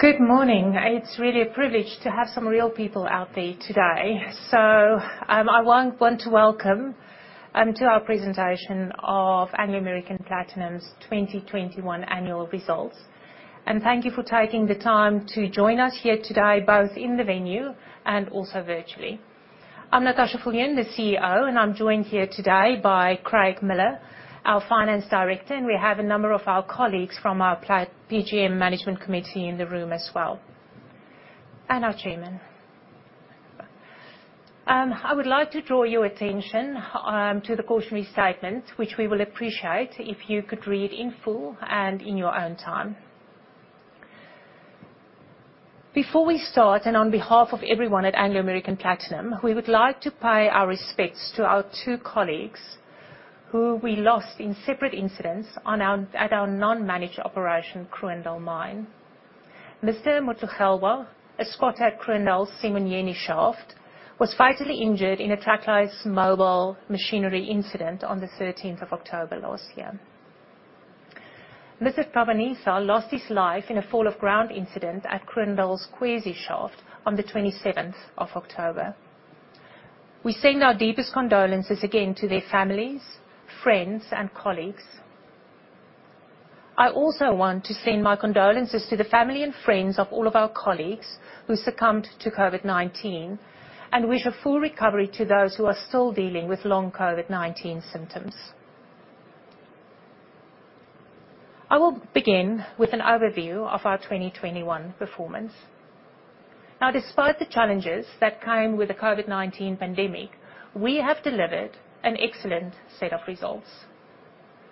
Good morning. It's really a privilege to have some real people out there today. I want to welcome to our presentation of Anglo American Platinum's 2021 annual results. Thank you for taking the time to join us here today, both in the venue and also virtually. I'm Natascha Viljoen, the CEO, and I'm joined here today by Craig Miller, our Finance Director, and we have a number of our colleagues from our Amplats PGM management committee in the room as well, and our chairman. I would like to draw your attention to the cautionary statement, which we will appreciate if you could read in full and in your own time. Before we start, on behalf of everyone at Anglo American Platinum, we would like to pay our respects to our two colleagues who we lost in separate incidents at our non-managed operation, Kroondal Mine. Mr. Mothelwa, a squatter at Kroondal Simunye Shaft, was fatally injured in a trackless mobile machinery incident on the 13th of October last year. Mr. Pavanisa lost his life in a fall of ground incident at Kroondal's Khwezi Shaft on the 27th October. We send our deepest condolences again to their families, friends, and colleagues. I also want to send my condolences to the family and friends of all of our colleagues who succumbed to COVID-19, and wish a full recovery to those who are still dealing with long COVID-19 symptoms. I will begin with an overview of our 2021 performance. Despite the challenges that came with the COVID-19 pandemic, we have delivered an excellent set of results.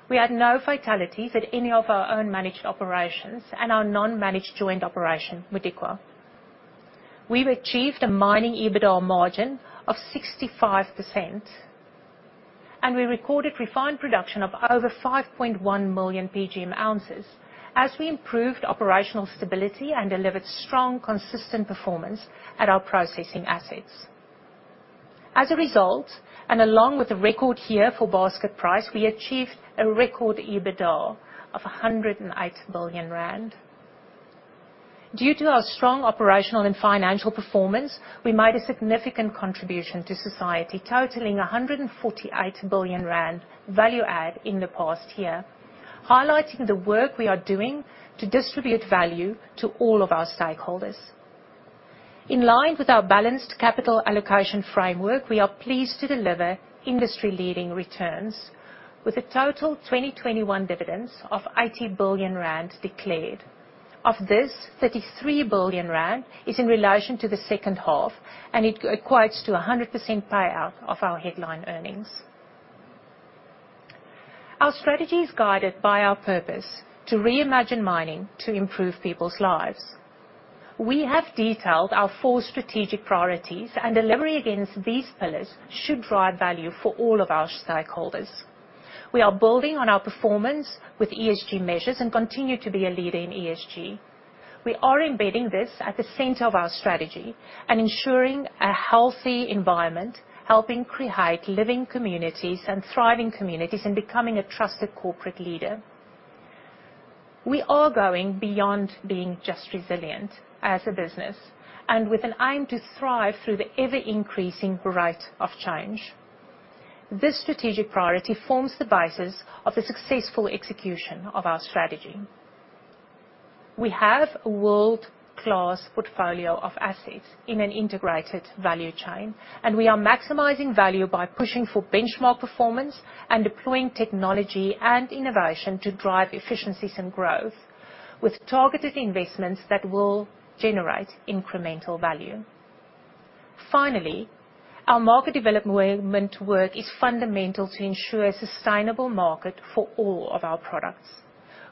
We had no fatalities at any of our own managed operations and our non-managed joint operation, Modikwa. We've achieved a mining EBITDA margin of 65%, and we recorded refined production of over 5.1 million PGM ounces as we improved operational stability and delivered strong, consistent performance at our processing assets. As a result, along with a record year for basket price, we achieved a record EBITDA of 108 billion rand. Due to our strong operational and financial performance, we made a significant contribution to society totaling 148 billion rand value add in the past year, highlighting the work we are doing to distribute value to all of our stakeholders. In line with our balanced capital allocation framework, we are pleased to deliver industry-leading returns with a total 2021 dividends of 80 billion rand declared. Of this, 33 billion rand is in relation to the second half, and it equates to a 100% payout of our headline earnings. Our strategy is guided by our purpose to reimagine mining to improve people's lives. We have detailed our four strategic priorities, and delivery against these pillars should drive value for all of our stakeholders. We are building on our performance with ESG measures and continue to be a leader in ESG. We are embedding this at the center of our strategy and ensuring a healthy environment, helping create living communities and thriving communities, and becoming a trusted corporate leader. We are going beyond being just resilient as a business and with an aim to thrive through the ever-increasing rate of change. This strategic priority forms the basis of the successful execution of our strategy. We have a world-class portfolio of assets in an integrated value chain, and we are maximizing value by pushing for benchmark performance and deploying technology and innovation to drive efficiencies and growth with targeted investments that will generate incremental value. Finally, our market development work is fundamental to ensure a sustainable market for all of our products.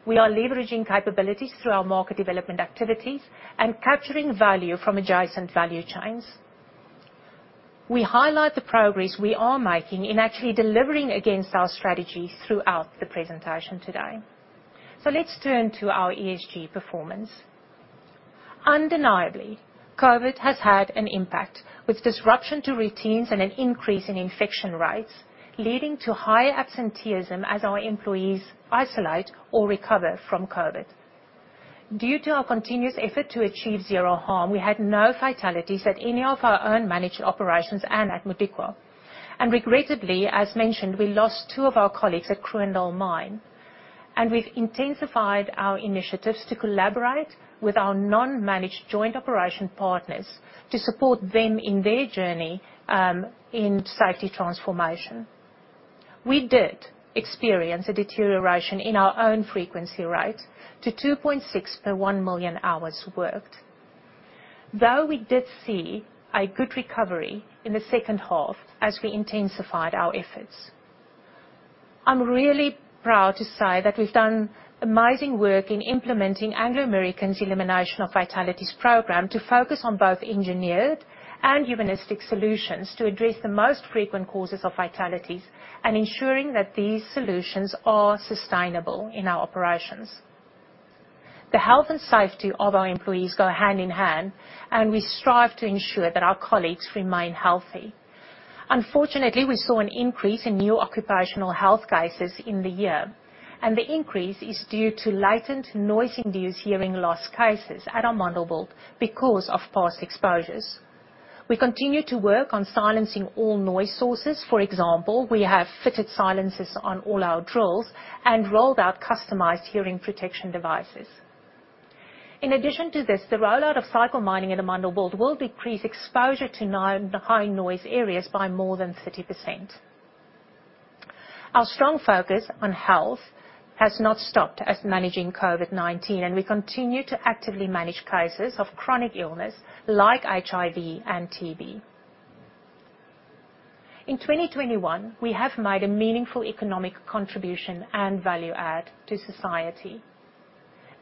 We are leveraging capabilities through our market development activities and capturing value from adjacent value chains. We highlight the progress we are making in actually delivering against our strategy throughout the presentation today. Let's turn to our ESG performance. Undeniably, COVID has had an impact, with disruption to routines and an increase in infection rates, leading to high absenteeism as our employees isolate or recover from COVID. Due to our continuous effort to achieve zero harm, we had no fatalities at any of our own managed operations and at Modikwa. Regrettably, as mentioned, we lost two of our colleagues at Kroondal Mine, and we've intensified our initiatives to collaborate with our non-managed joint operation partners to support them in their journey in safety transformation. We did experience a deterioration in our own frequency rate to 2.6 per 1 million hours worked, though we did see a good recovery in the second half as we intensified our efforts. I'm really proud to say that we've done amazing work in implementing Anglo American's Elimination of Fatalities program to focus on both engineered and humanistic solutions to address the most frequent causes of fatalities and ensuring that these solutions are sustainable in our operations. The health and safety of our employees go hand in hand, and we strive to ensure that our colleagues remain healthy. Unfortunately, we saw an increase in new occupational health cases in the year, and the increase is due to latent noise-induced hearing loss cases at Amandelbult because of past exposures. We continue to work on silencing all noise sources. For example, we have fitted silencers on all our drills and rolled out customized hearing protection devices. In addition to this, the rollout of cycle mining at Amandelbult will decrease exposure to the high noise areas by more than 30%. Our strong focus on health has not stopped us managing COVID-19, and we continue to actively manage cases of chronic illness like HIV and TB. In 2021, we have made a meaningful economic contribution and value add to society.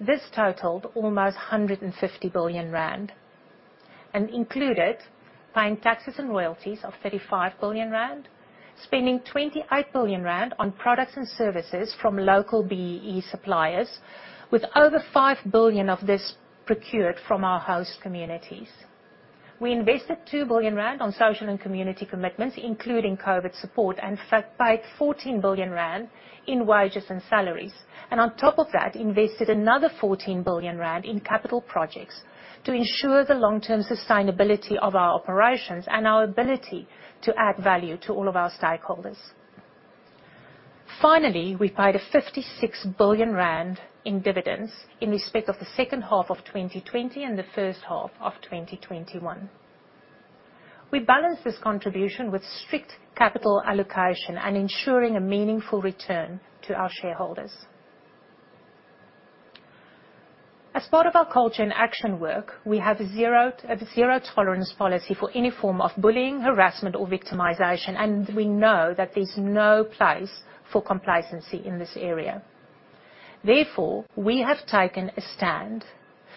This totaled almost 150 billion rand and included paying taxes and royalties of 35 billion rand, spending 28 billion rand on products and services from local B-BBEE suppliers, with over 5 billion of this procured from our host communities. We invested 2 billion rand on social and community commitments, including COVID support, and paid 14 billion rand in wages and salaries, and on top of that, invested another 14 billion rand in capital projects to ensure the long-term sustainability of our operations and our ability to add value to all of our stakeholders. Finally, we paid 56 billion rand in dividends in respect of the second half of 2020 and the first half of 2021. We balanced this contribution with strict capital allocation and ensuring a meaningful return to our shareholders. As part of our culture and action work, we have a zero tolerance policy for any form of bullying, harassment, or victimization, and we know that there's no place for complacency in this area. Therefore, we have taken a stand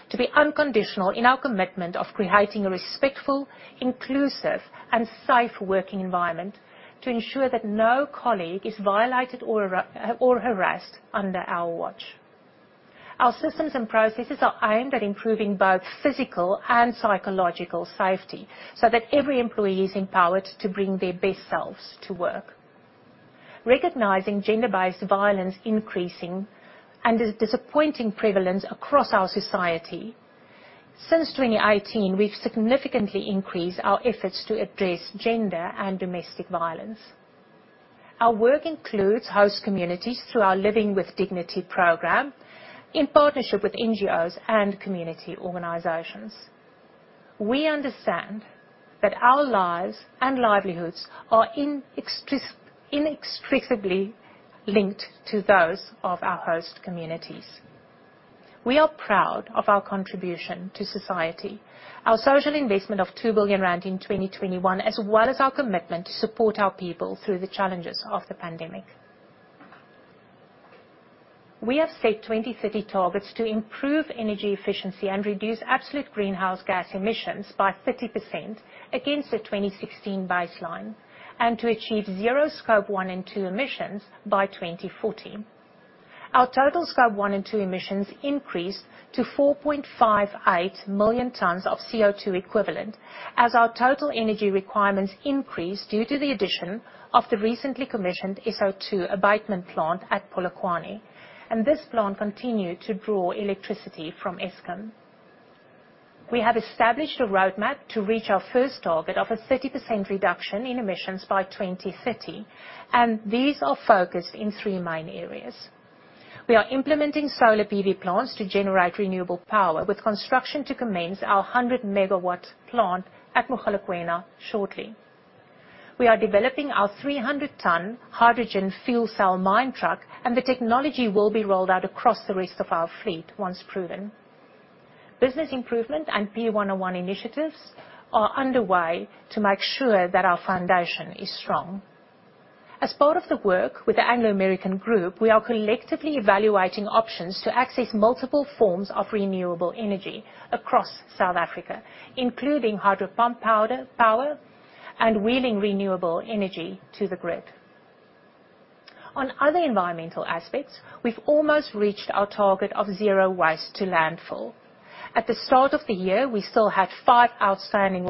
to be unconditional in our commitment of creating a respectful, inclusive, and safe working environment to ensure that no colleague is violated or harassed under our watch. Our systems and processes are aimed at improving both physical and psychological safety so that every employee is empowered to bring their best selves to work. Recognizing gender-based violence increasing and its disappointing prevalence across our society, since 2018, we've significantly increased our efforts to address gender and domestic violence. Our work includes host communities through our Living with Dignity program in partnership with NGOs and community organizations. We understand that our lives and livelihoods are inextricably linked to those of our host communities. We are proud of our contribution to society, our social investment of 2 billion rand in 2021, as well as our commitment to support our people through the challenges of the pandemic. We have set 2030 targets to improve energy efficiency and reduce absolute greenhouse gas emissions by 30% against the 2016 baseline, and to achieve zero scope one and two emissions by 2040. Our total scope one and two emissions increased to 4.58 million tons of CO2 equivalent as our total energy requirements increased due to the addition of the recently commissioned SO2 abatement plant at Polokwane, and this plant continued to draw electricity from Eskom. We have established a roadmap to reach our first target of a 30% reduction in emissions by 2030, and these are focused in three main areas. We are implementing solar PV plants to generate renewable power, with construction to commence our 100 MW plant at Mogalakwena shortly. We are developing our 300-ton hydrogen fuel cell mine truck, and the technology will be rolled out across the rest of our fleet once proven. Business improvement and P101 initiatives are underway to make sure that our foundation is strong. As part of the work with the Anglo American Group, we are collectively evaluating options to access multiple forms of renewable energy across South Africa, including pumped hydro power and wheeling renewable energy to the grid. On other environmental aspects, we've almost reached our target of zero waste to landfill. At the start of the year, we still had five outstanding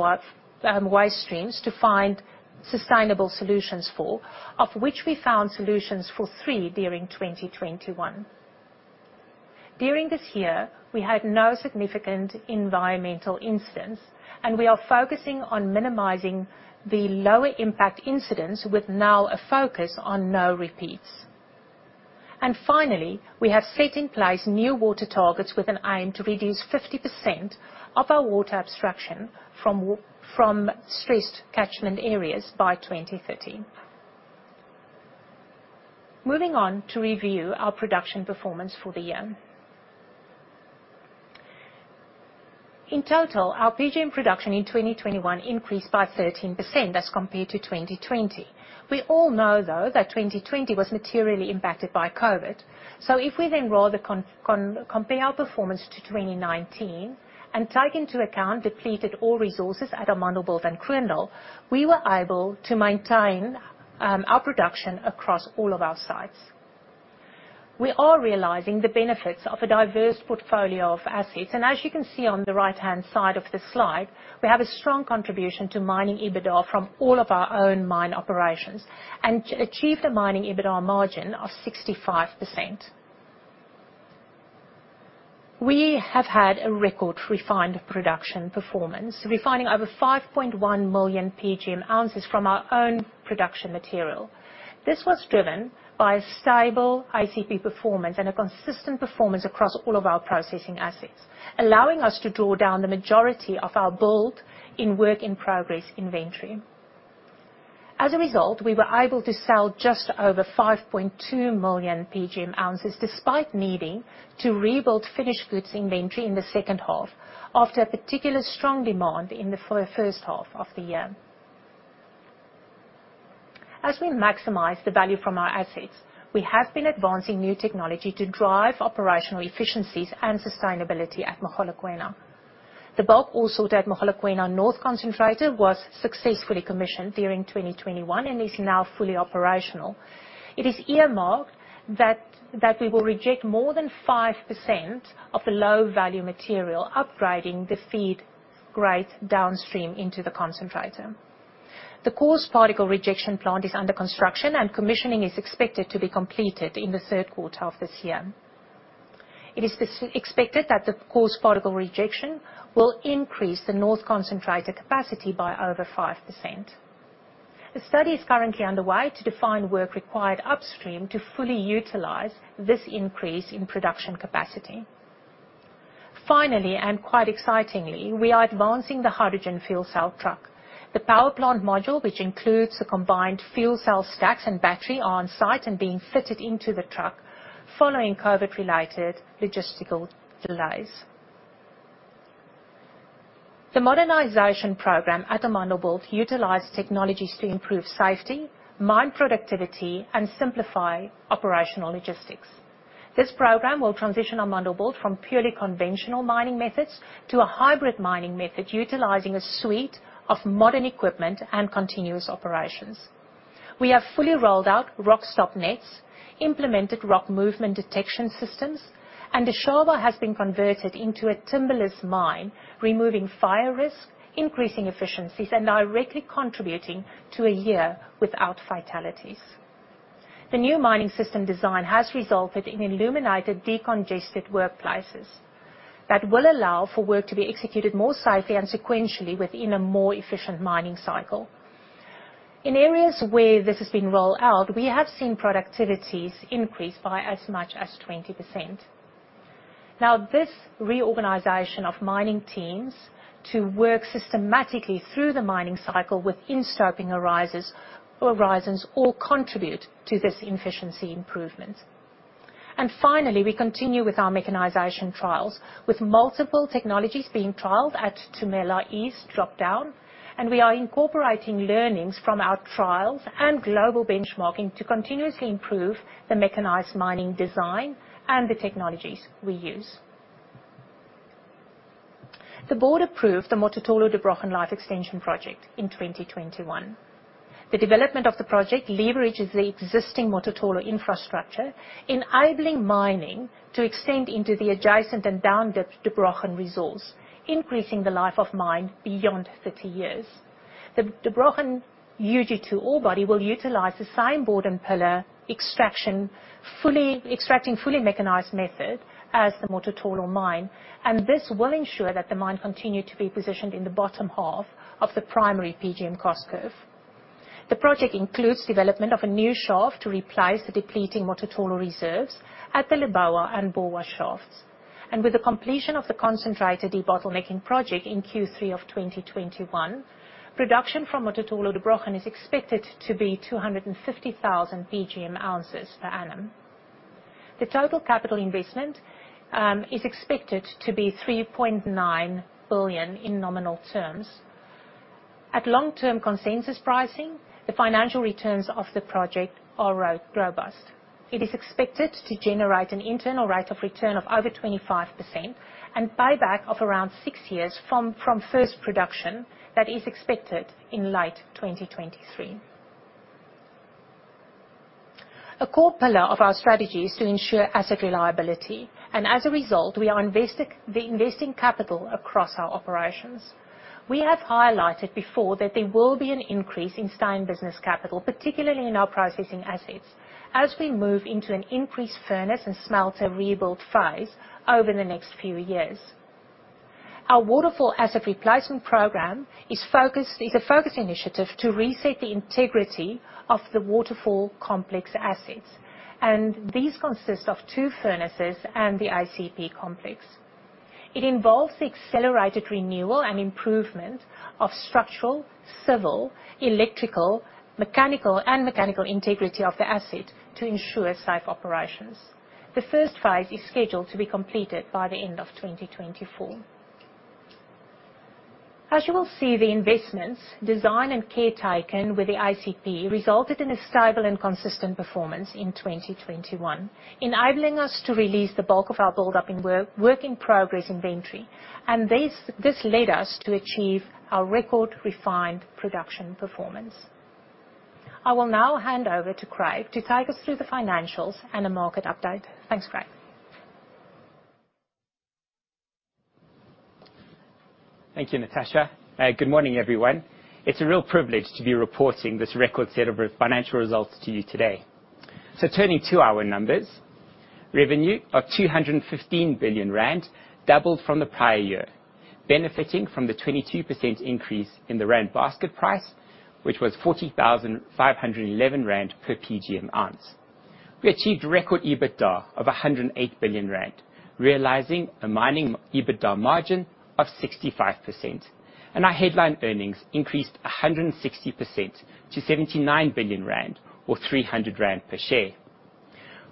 waste streams to find sustainable solutions for, of which we found solutions for three during 2021. During this year, we had no significant environmental incidents, and we are focusing on minimizing the lower impact incidents with now a focus on no repeats. Finally, we have set in place new water targets with an aim to reduce 50% of our water abstraction from stressed catchment areas by 2030. Moving on to review our production performance for the year. In total, our PGM production in 2021 increased by 13% as compared to 2020. We all know, though, that 2020 was materially impacted by COVID. If we rather compare our performance to 2019 and take into account depleted ore resources at Amandelbult and Kroondal, we were able to maintain our production across all of our sites. We are realizing the benefits of a diverse portfolio of assets. As you can see on the right-hand side of the slide, we have a strong contribution to mining EBITDA from all of our own mine operations, and achieved a mining EBITDA margin of 65%. We have had a record refined production performance, refining over 5.1 million PGM ounces from our own production material. This was driven by a stable ICP performance and a consistent performance across all of our processing assets, allowing us to draw down the majority of our build in work in progress inventory. As a result, we were able to sell just over 5.2 million PGM ounces, despite needing to rebuild finished goods inventory in the second half after a particularly strong demand in the first half of the year. As we maximize the value from our assets, we have been advancing new technology to drive operational efficiencies and sustainability at Mogalakwena. The bulk ore sort at Mogalakwena North Concentrator was successfully commissioned during 2021 and is now fully operational. It is earmarked that we will reject more than 5% of the low-value material, upgrading the feed grade downstream into the concentrator. The coarse particle rejection plant is under construction, and commissioning is expected to be completed in the third quarter of this year. It is expected that the coarse particle rejection will increase the North Concentrator capacity by over 5%. A study is currently underway to define work required upstream to fully utilize this increase in production capacity. Finally, and quite excitingly, we are advancing the hydrogen fuel cell truck. The power plant module, which includes the combined fuel cell stacks and battery, are on-site and being fitted into the truck following COVID-related logistical delays. The modernization program at Amandelbult utilized technologies to improve safety, mine productivity, and simplify operational logistics. This program will transition Amandelbult from purely conventional mining methods to a hybrid mining method utilizing a suite of modern equipment and continuous operations. We have fully rolled out rock stop nets, implemented rock movement detection systems, and the Shaaba has been converted into a timber-less mine, removing fire risk, increasing efficiencies, and directly contributing to a year without fatalities. The new mining system design has resulted in illuminated, decongested workplaces that will allow for work to be executed more safely and sequentially within a more efficient mining cycle. In areas where this has been rolled out, we have seen productivities increase by as much as 20%. Now, this reorganization of mining teams to work systematically through the mining cycle within stoping horizons all contribute to this efficiency improvement. Finally, we continue with our mechanization trials, with multiple technologies being trialed at Tumela East Drop Down, and we are incorporating learnings from our trials and global benchmarking to continuously improve the mechanized mining design and the technologies we use. The board approved the Mototolo-Der Brochen life extension project in 2021. The development of the project leverages the existing Mototolo infrastructure, enabling mining to extend into the adjacent and down-dip Der Brochen resource, increasing the life of mine beyond 30 years. The Der Brochen UG2 orebody will utilize the same bord and pillar extraction, fully mechanized method as the Mototolo mine, and this will ensure that the mine continue to be positioned in the bottom half of the primary PGM cost curve. The project includes development of a new shaft to replace the depleting Mototolo reserves at the Lebowa and Borwa shafts. With the completion of the concentrator debottlenecking project in Q3 of 2021, production from Mototolo Der Brochen is expected to be 250,000 PGM ounces per annum. The total capital investment is expected to be 3.9 billion in nominal terms. At long-term consensus pricing, the financial returns of the project are robust. It is expected to generate an internal rate of return of over 25% and payback of around 6 years from first production that is expected in late 2023. A core pillar of our strategy is to ensure asset reliability, and as a result, we are investing capital across our operations. We have highlighted before that there will be an increase in sustaining capital, particularly in our processing assets, as we move into an increased furnace and smelter rebuild phase over the next few years. Our Waterval asset replacement program is a focus initiative to reset the integrity of the Waterval complex assets, and these consist of two furnaces and the ICP complex. It involves the accelerated renewal and improvement of structural, civil, electrical, mechanical, and mechanical integrity of the asset to ensure safe operations. The first phase is scheduled to be completed by the end of 2024. As you will see, the investments, design, and care taken with the ICP resulted in a stable and consistent performance in 2021, enabling us to release the bulk of our build-up in work in progress inventory. This led us to achieve our record refined production performance. I will now hand over to Craig to take us through the financials and a market update. Thanks, Craig. Thank you, Natascha. Good morning, everyone. It's a real privilege to be reporting this record set of financial results to you today. Turning to our numbers. Revenue of 215 billion rand, doubled from the prior year, benefiting from the 22% increase in the rand basket price, which was 40,511 rand per PGM ounce. We achieved record EBITDA of 108 billion rand, realizing a mining EBITDA margin of 65%, and our headline earnings increased 160% to 79 billion rand or 300 rand per share.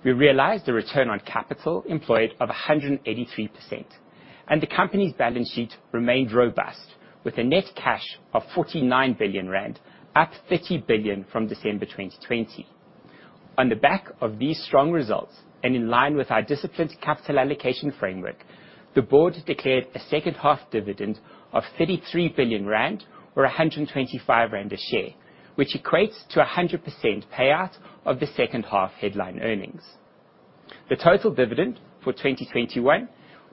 We realized a return on capital employed of 183%, and the company's balance sheet remained robust with a net cash of 49 billion rand, up 30 billion from December 2020. On the back of these strong results, and in line with our disciplined capital allocation framework, the board declared a second half dividend of 33 billion rand or 125 rand a share, which equates to a 100% payout of the second half headline earnings. The total dividend for 2021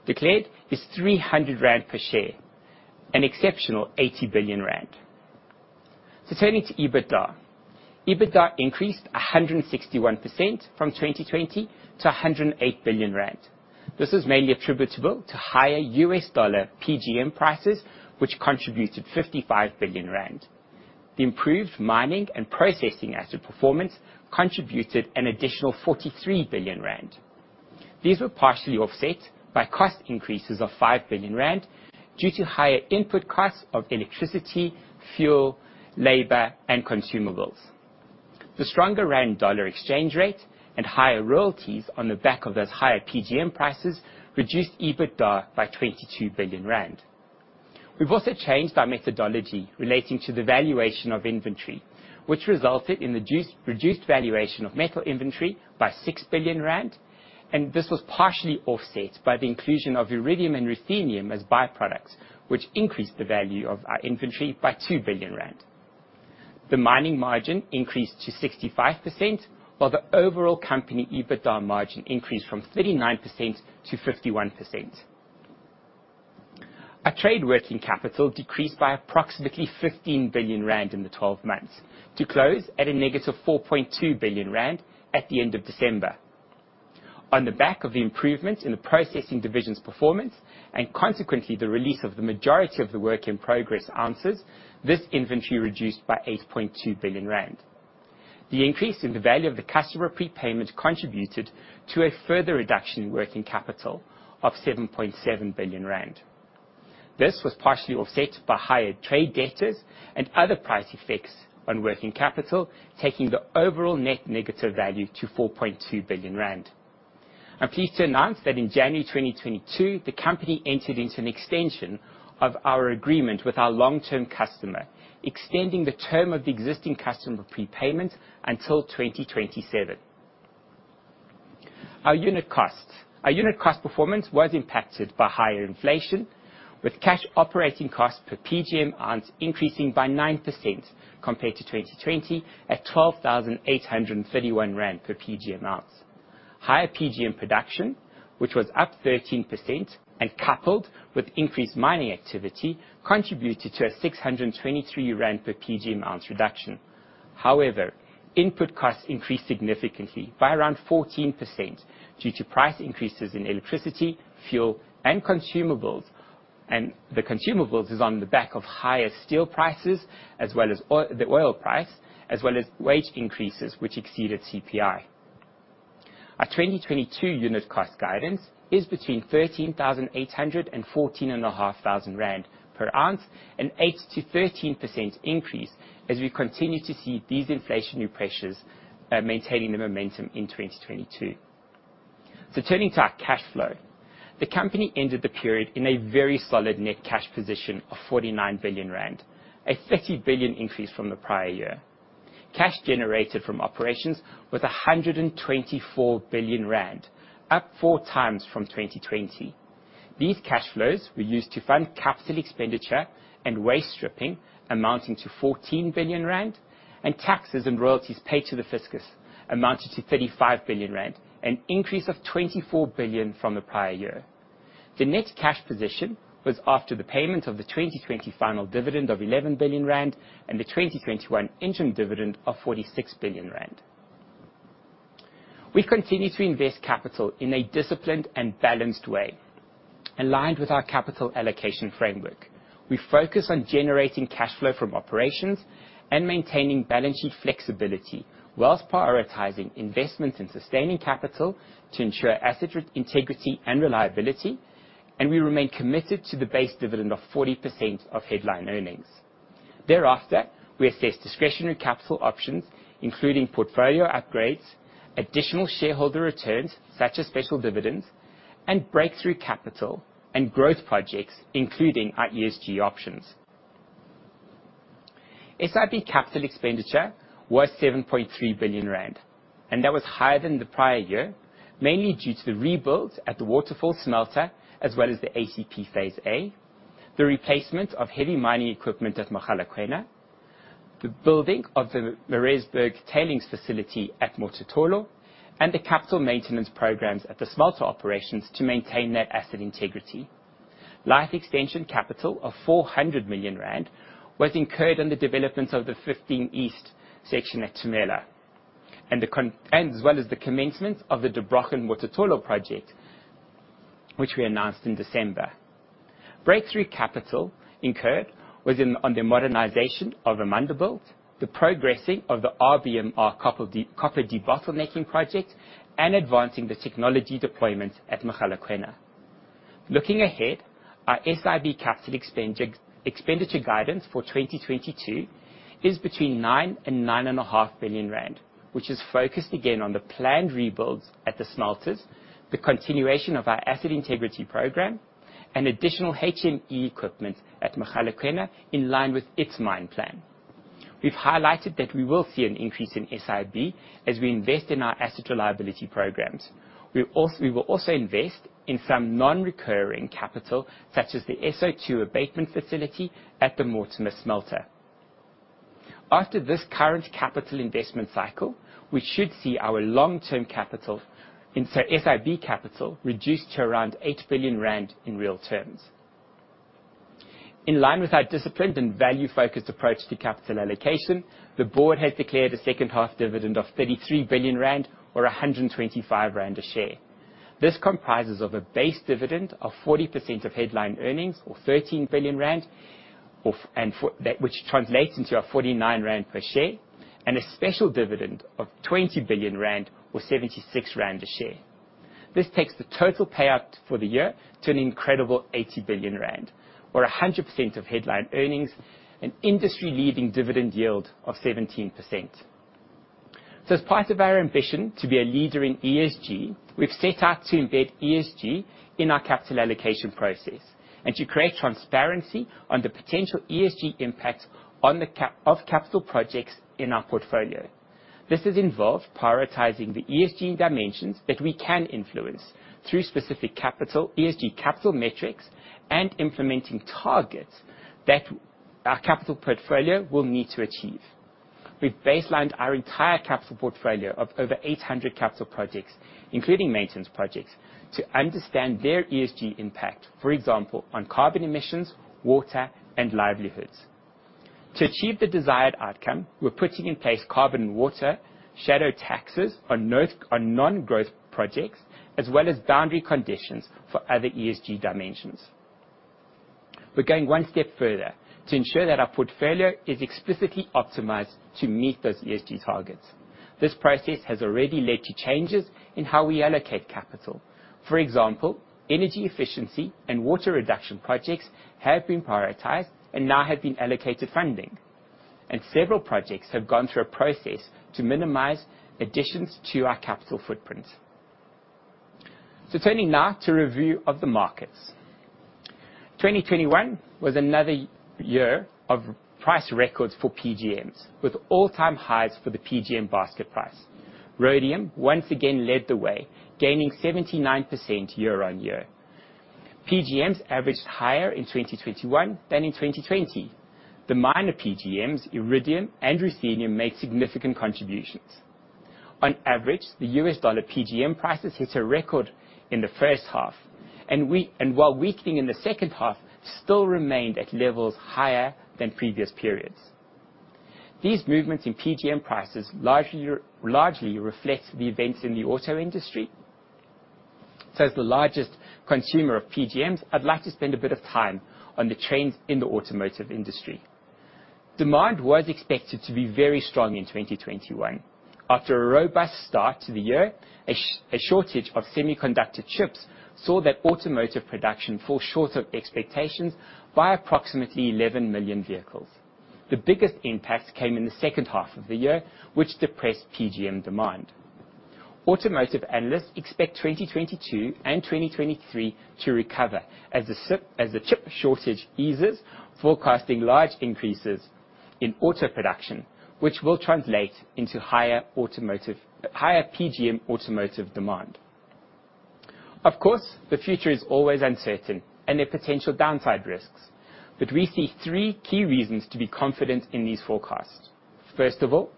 declared is 300 rand per share, an exceptional 80 billion rand. Turning to EBITDA. EBITDA increased 161% from 2020 to 108 billion rand. This is mainly attributable to higher US dollar PGM prices, which contributed 55 billion rand. The improved mining and processing asset performance contributed an additional 43 billion rand. These were partially offset by cost increases of 5 billion rand due to higher input costs of electricity, fuel, labor, and consumables. The stronger rand dollar exchange rate and higher royalties on the back of those higher PGM prices reduced EBITDA by 22 billion rand. We've also changed our methodology relating to the valuation of inventory, which resulted in the reduced valuation of metal inventory by 6 billion rand, and this was partially offset by the inclusion of iridium and ruthenium as byproducts, which increased the value of our inventory by 2 billion rand. The mining margin increased to 65%, while the overall company EBITDA margin increased from 39% to 51%. Our trade working capital decreased by approximately 15 billion rand in the twelve months to close at a negative 4.2 billion rand at the end of December. On the back of the improvements in the processing division's performance, and consequently, the release of the majority of the work-in-progress ounces, this inventory reduced by 8.2 billion rand. The increase in the value of the customer prepayment contributed to a further reduction in working capital of 7.7 billion rand. This was partially offset by higher trade debtors and other price effects on working capital, taking the overall net negative value to 4.2 billion rand. I'm pleased to announce that in January 2022, the company entered into an extension of our agreement with our long-term customer, extending the term of the existing customer prepayment until 2027. Our unit cost performance was impacted by higher inflation with cash operating costs per PGM ounce increasing by 9% compared to 2020 at 12,831 rand per PGM ounce. Higher PGM production, which was up 13%, and coupled with increased mining activity, contributed to a 623 rand per PGM ounce reduction. However, input costs increased significantly by around 14% due to price increases in electricity, fuel, and consumables. The consumables is on the back of higher steel prices as well as the oil price, as well as wage increases, which exceeded CPI. Our 2022 unit cost guidance is between 13,800 and 14,500 rand per ounce, an 8%-13% increase as we continue to see these inflationary pressures, maintaining the momentum in 2022. Turning to our cash flow. The company ended the period in a very solid net cash position of 49 billion rand, a 30 billion increase from the prior year. Cash generated from operations was 124 billion rand, up 4x from 2020. These cash flows were used to fund capital expenditure and waste stripping, amounting to 14 billion rand, and taxes and royalties paid to the fiscus amounted to 35 billion rand, an increase of 24 billion from the prior year. The net cash position was after the payment of the 2020 final dividend of 11 billion rand and the 2021 interim dividend of 46 billion rand. We continue to invest capital in a disciplined and balanced way. Aligned with our capital allocation framework, we focus on generating cash flow from operations and maintaining balance sheet flexibility, while prioritizing investments in sustaining capital to ensure asset integrity and reliability, and we remain committed to the base dividend of 40% of headline earnings. Thereafter, we assess discretionary capital options, including portfolio upgrades, additional shareholder returns, such as special dividends, and breakthrough capital, and growth projects, including our ESG options. SIB capital expenditure was 7.3 billion rand, and that was higher than the prior year, mainly due to the rebuild at the Waterval smelter, as well as the ACP Phase A, the replacement of heavy mining equipment at Mogalakwena. The building of the Mareesburg tailings facility at Mototolo and the capital maintenance programs at the smelter operations to maintain that asset integrity. Life extension capital of 400 million rand was incurred on the developments of the 15 East section at Tumela, and as well as the commencement of the Der Brochen-Mototolo project, which we announced in December. Capex incurred was on the modernization of Amandelbult, the progressing of the RBMR copper de-bottlenecking project, and advancing the technology deployment at Mogalakwena. Looking ahead, our SIB capital expenditure guidance for 2022 is between 9 billion rand and 9.5 billion rand, which is focused again on the planned rebuilds at the smelters, the continuation of our asset integrity program, and additional HME equipment at Mogalakwena in line with its mine plan. We've highlighted that we will see an increase in SIB as we invest in our asset reliability programs. We will also invest in some non-recurring capital, such as the SO2 abatement facility at the Mortimer smelter. After this current capital investment cycle, we should see our long-term capital, and so SIB capital, reduced to around 8 billion rand in real terms. In line with our disciplined and value-focused approach to capital allocation, the board has declared a second half dividend of 33 billion rand or 125 rand a share. This comprises of a base dividend of 40% of headline earnings or 13 billion rand, and that which translates into a 49 rand per share and a special dividend of 20 billion rand or 76 rand a share. This takes the total payout for the year to an incredible 80 billion rand or 100% of headline earnings and industry-leading dividend yield of 17%. As part of our ambition to be a leader in ESG, we've set out to embed ESG in our capital allocation process and to create transparency on the potential ESG impact on the CapEx of capital projects in our portfolio. This has involved prioritizing the ESG dimensions that we can influence through specific capital, ESG capital metrics, and implementing targets that our capital portfolio will need to achieve. We've baselined our entire capital portfolio of over 800 capital projects, including maintenance projects, to understand their ESG impact, for example, on carbon emissions, water, and livelihoods. To achieve the desired outcome, we're putting in place carbon and water shadow taxes on non-growth projects, as well as boundary conditions for other ESG dimensions. We're going one step further to ensure that our portfolio is explicitly optimized to meet those ESG targets. This process has already led to changes in how we allocate capital. For example, energy efficiency and water reduction projects have been prioritized and now have been allocated funding. Several projects have gone through a process to minimize additions to our capital footprint. Turning now to review of the markets. 2021 was another year of price records for PGMs, with all-time highs for the PGM basket price. Rhodium once again led the way, gaining 79% year-on-year. PGMs averaged higher in 2021 than in 2020. The minor PGMs, iridium and ruthenium, made significant contributions. On average, the U.S. dollar PGM prices hit a record in the first half, and while weakening in the second half, still remained at levels higher than previous periods. These movements in PGM prices largely reflect the events in the auto industry. As the largest consumer of PGMs, I'd like to spend a bit of time on the trends in the automotive industry. Demand was expected to be very strong in 2021. After a robust start to the year, a shortage of semiconductor chips saw that automotive production fall short of expectations by approximately 11 million vehicles. The biggest impact came in the second half of the year, which depressed PGM demand. Automotive analysts expect 2022 and 2023 to recover as the chip shortage eases, forecasting large increases in auto production, which will translate into higher automotive, higher PGM automotive demand. Of course, the future is always uncertain and there are potential downside risks, but we see three key reasons to be confident in these forecasts. First of all,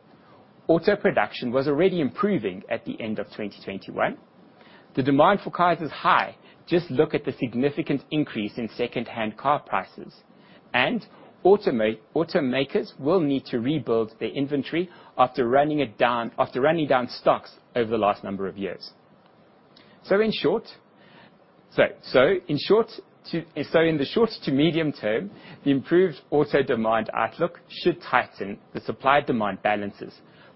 auto production was already improving at the end of 2021. The demand for cars is high. Just look at the significant increase in secondhand car prices. Automakers will need to rebuild their inventory after running down stocks over the last number of years. In the short to medium term, the improved auto demand outlook should tighten the supply/demand balances,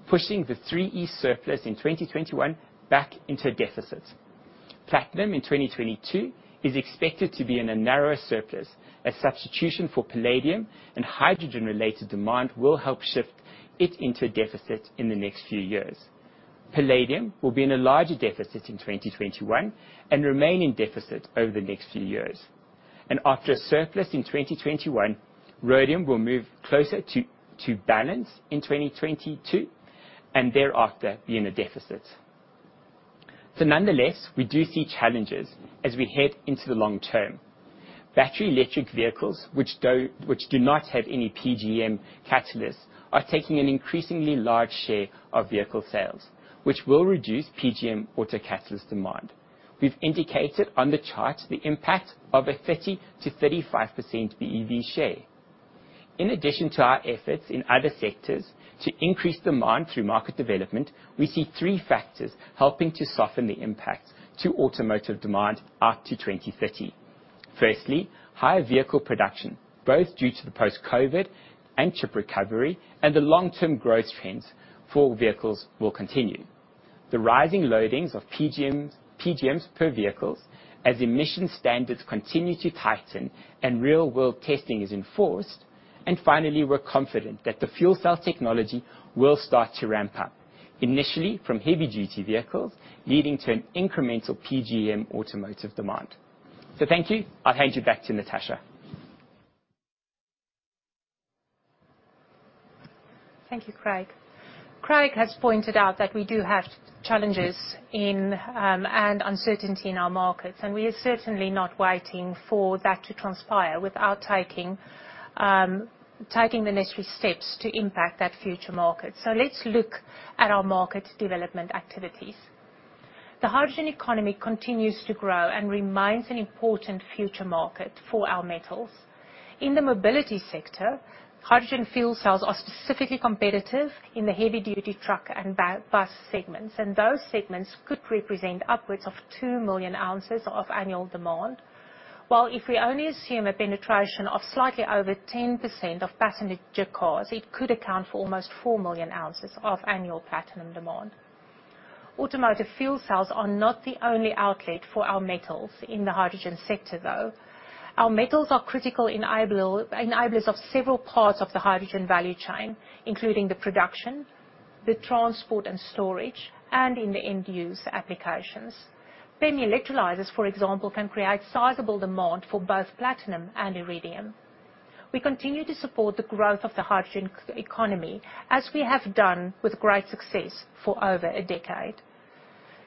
pushing the 3E surplus in 2021 back into deficit. Platinum in 2022 is expected to be in a narrower surplus as substitution for palladium and hydrogen-related demand will help shift it into a deficit in the next few years. Palladium will be in a larger deficit in 2021 and remain in deficit over the next few years. After a surplus in 2021, rhodium will move closer to balance in 2022 and thereafter be in a deficit. Nonetheless, we do see challenges as we head into the long term. Battery electric vehicles, which do not have any PGM catalysts, are taking an increasingly large share of vehicle sales, which will reduce PGM auto catalyst demand. We've indicated on the chart the impact of a 30%-35% BEV share. In addition to our efforts in other sectors to increase demand through market development, we see three factors helping to soften the impact to automotive demand out to 2030. Firstly, higher vehicle production, both due to the post-COVID and chip recovery and the long-term growth trends for vehicles will continue. The rising loadings of PGMs per vehicles as emission standards continue to tighten and real world testing is enforced. Finally, we're confident that the fuel cell technology will start to ramp up, initially from heavy duty vehicles, leading to an incremental PGM automotive demand. Thank you. I'll hand you back to Natascha. Thank you, Craig. Craig has pointed out that we do have challenges and uncertainty in our markets, and we are certainly not waiting for that to transpire without taking the necessary steps to impact that future market. Let's look at our market development activities. The hydrogen economy continues to grow and remains an important future market for our metals. In the mobility sector, hydrogen fuel cells are specifically competitive in the heavy duty truck and bus segments, and those segments could represent upwards of 2 million ounces of annual demand. While if we only assume a penetration of slightly over 10% of passenger cars, it could account for almost 4 million ounces of annual platinum demand. Automotive fuel cells are not the only outlet for our metals in the hydrogen sector, though. Our metals are critical enablers of several parts of the hydrogen value chain, including the production, the transport and storage, and in the end use applications. PEM electrolyzers, for example, can create sizable demand for both platinum and iridium. We continue to support the growth of the hydrogen economy, as we have done with great success for over a decade.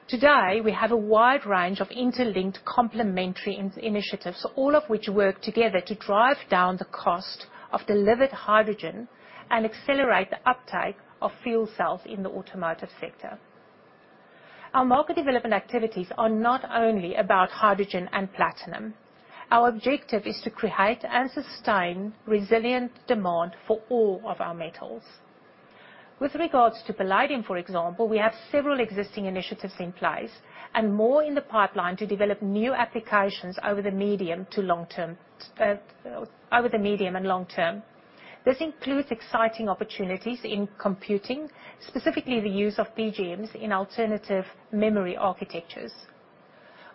Today, we have a wide range of interlinked complementary initiatives, all of which work together to drive down the cost of delivered hydrogen and accelerate the uptake of fuel cells in the automotive sector. Our market development activities are not only about hydrogen and platinum. Our objective is to create and sustain resilient demand for all of our metals. With regards to palladium, for example, we have several existing initiatives in place and more in the pipeline to develop new applications over the medium to long term. This includes exciting opportunities in computing, specifically the use of PGMs in alternative memory architectures.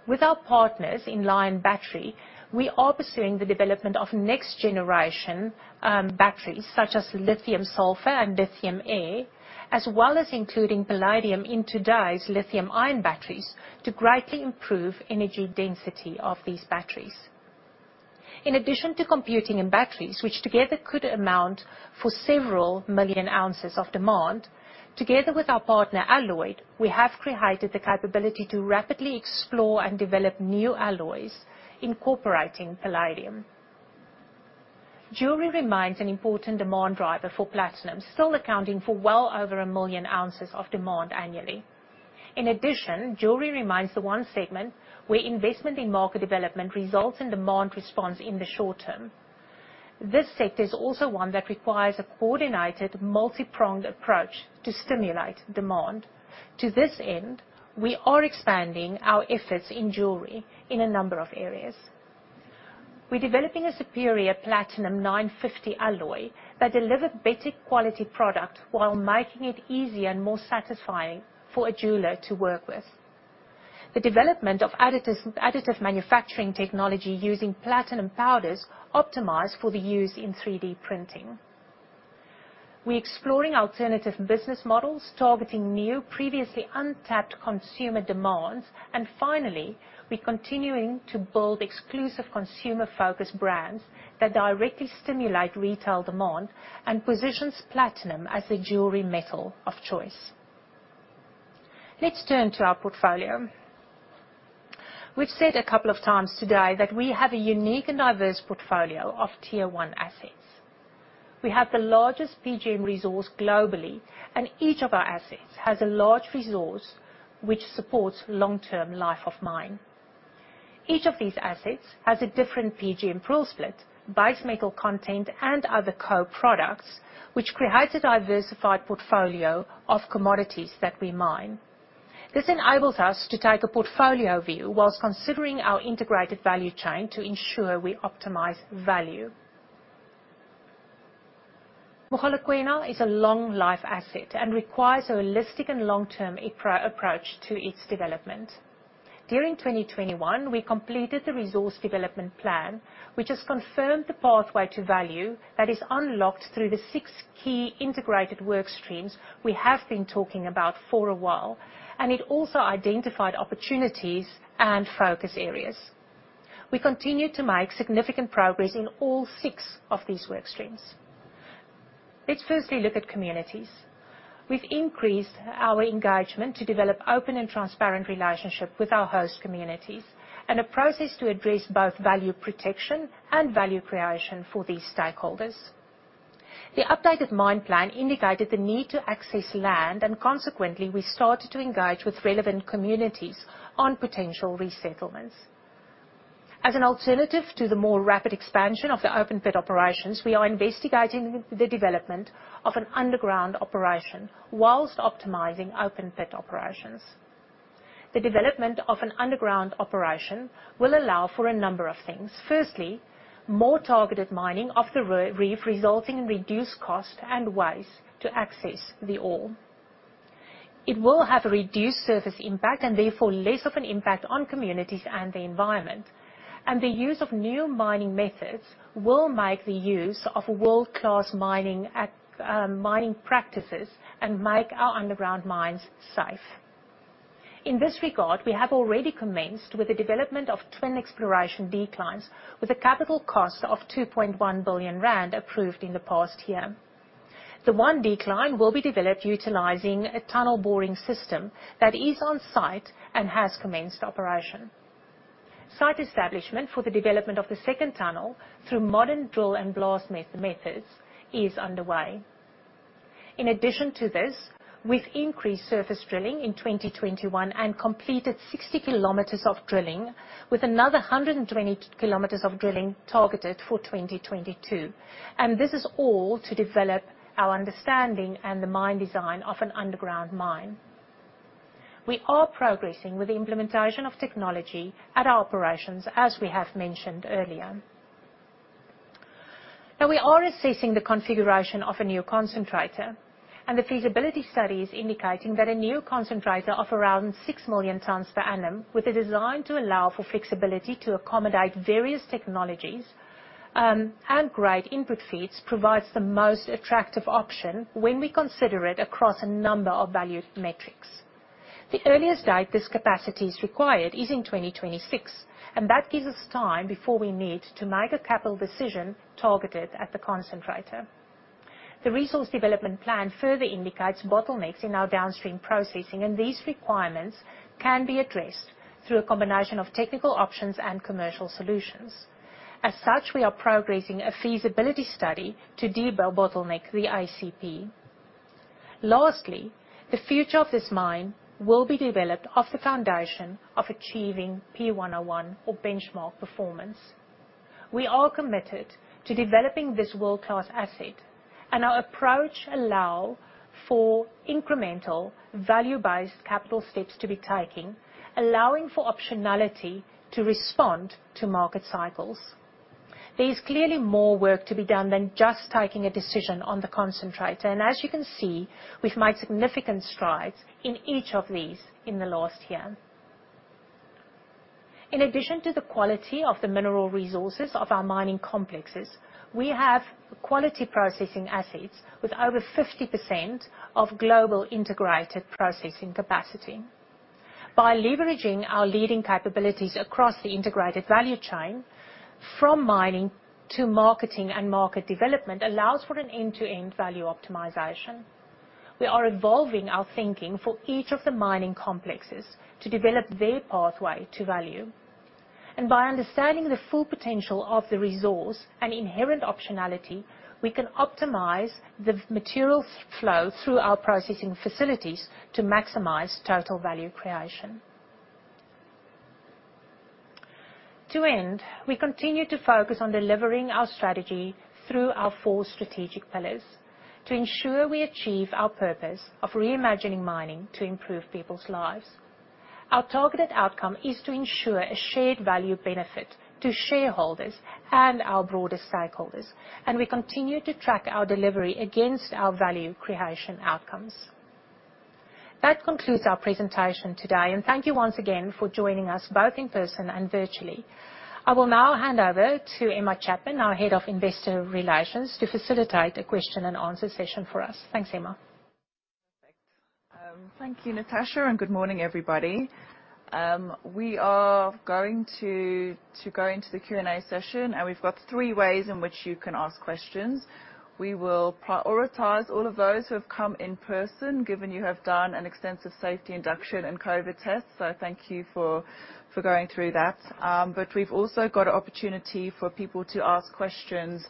With our partners in Lion Battery, we are pursuing the development of next generation batteries such as lithium sulfur and lithium air, as well as including palladium in today's lithium-ion batteries to greatly improve energy density of these batteries. In addition to computing and batteries, which together could amount to several million ounces of demand, together with our partner Alloyed, we have created the capability to rapidly explore and develop new alloys incorporating palladium. Jewelry remains an important demand driver for platinum, still accounting for well over a million ounces of demand annually. In addition, jewelry remains the one segment where investment in market development results in demand response in the short term. This sector is also one that requires a coordinated, multi-pronged approach to stimulate demand. To this end, we are expanding our efforts in jewelry in a number of areas. We're developing a superior platinum 950 alloy that deliver better quality product while making it easier and more satisfying for a jeweler to work with. The development of additive manufacturing technology using platinum powders optimized for the use in 3D printing. We're exploring alternative business models targeting new, previously untapped consumer demands. Finally, we're continuing to build exclusive consumer-focused brands that directly stimulate retail demand and positions platinum as the jewelry metal of choice. Let's turn to our portfolio. We've said a couple of times today that we have a unique and diverse portfolio of tier one assets. We have the largest PGM resource globally, and each of our assets has a large resource which supports long-term life of mine. Each of these assets has a different PGM pool split, base metal content, and other co-products which create a diversified portfolio of commodities that we mine. This enables us to take a portfolio view while considering our integrated value chain to ensure we optimize value. Mogalakwena is a long life asset and requires a holistic and long-term approach to its development. During 2021, we completed the resource development plan, which has confirmed the pathway to value that is unlocked through the six key integrated work streams we have been talking about for a while, and it also identified opportunities and focus areas. We continue to make significant progress in all six of these work streams. Let's firstly look at communities. We've increased our engagement to develop open and transparent relationship with our host communities, and a process to address both value protection and value creation for these stakeholders. The updated mine plan indicated the need to access land, and consequently, we started to engage with relevant communities on potential resettlements. As an alternative to the more rapid expansion of the open pit operations, we are investigating the development of an underground operation while optimizing open pit operations. The development of an underground operation will allow for a number of things. Firstly, more targeted mining of the Reef, resulting in reduced cost and waste to access the ore. It will have a reduced surface impact and therefore less of an impact on communities and the environment. The use of new mining methods will make the use of world-class mining practices and make our underground mines safe. In this regard, we have already commenced with the development of twin exploration declines with a capital cost of 2.1 billion rand approved in the past year. The one decline will be developed utilizing a tunnel boring system that is on site and has commenced operation. Site establishment for the development of the second tunnel through modern drill and blast methods is underway. In addition to this, we've increased surface drilling in 2021 and completed 60 km of drilling with another 120 km of drilling targeted for 2022. This is all to develop our understanding and the mine design of an underground mine. We are progressing with the implementation of technology at our operations, as we have mentioned earlier. Now we are assessing the configuration of a new concentrator and the feasibility studies indicating that a new concentrator of around 6 million tons per annum with a design to allow for flexibility to accommodate various technologies, and grade input feeds, provides the most attractive option when we consider it across a number of value metrics. The earliest date this capacity is required is in 2026, and that gives us time before we need to make a capital decision targeted at the concentrator. The resource development plan further indicates bottlenecks in our downstream processing, and these requirements can be addressed through a combination of technical options and commercial solutions. As such, we are progressing a feasibility study to debottleneck the ICP. Lastly, the future of this mine will be developed off the foundation of achieving P101 or benchmark performance. We are committed to developing this world-class asset and our approach allow for incremental value-based capital steps to be taken, allowing for optionality to respond to market cycles. There is clearly more work to be done than just taking a decision on the concentrator, and as you can see, we've made significant strides in each of these in the last year. In addition to the quality of the mineral resources of our mining complexes, we have quality processing assets with over 50% of global integrated processing capacity. By leveraging our leading capabilities across the integrated value chain from mining to marketing and market development allows for an end-to-end value optimization. We are evolving our thinking for each of the mining complexes to develop their pathway to value. By understanding the full potential of the resource and inherent optionality, we can optimize the material flow through our processing facilities to maximize total value creation. To end, we continue to focus on delivering our strategy through our four strategic pillars to ensure we achieve our purpose of reimagining mining to improve people's lives. Our targeted outcome is to ensure a shared value benefit to shareholders and our broader stakeholders, and we continue to track our delivery against our value creation outcomes. That concludes our presentation today, and thank you once again for joining us, both in person and virtually. I will now hand over to Emma Chapman, our Head of Investor Relations, to facilitate a question and answer session for us. Thanks, Emma. Thank you, Natascha, and good morning, everybody. We are going to go into the Q&A session, and we've got three ways in which you can ask questions. We will prioritize all of those who have come in person, given you have done an extensive safety induction and COVID test, so thank you for going through that. But we've also got an opportunity for people to ask questions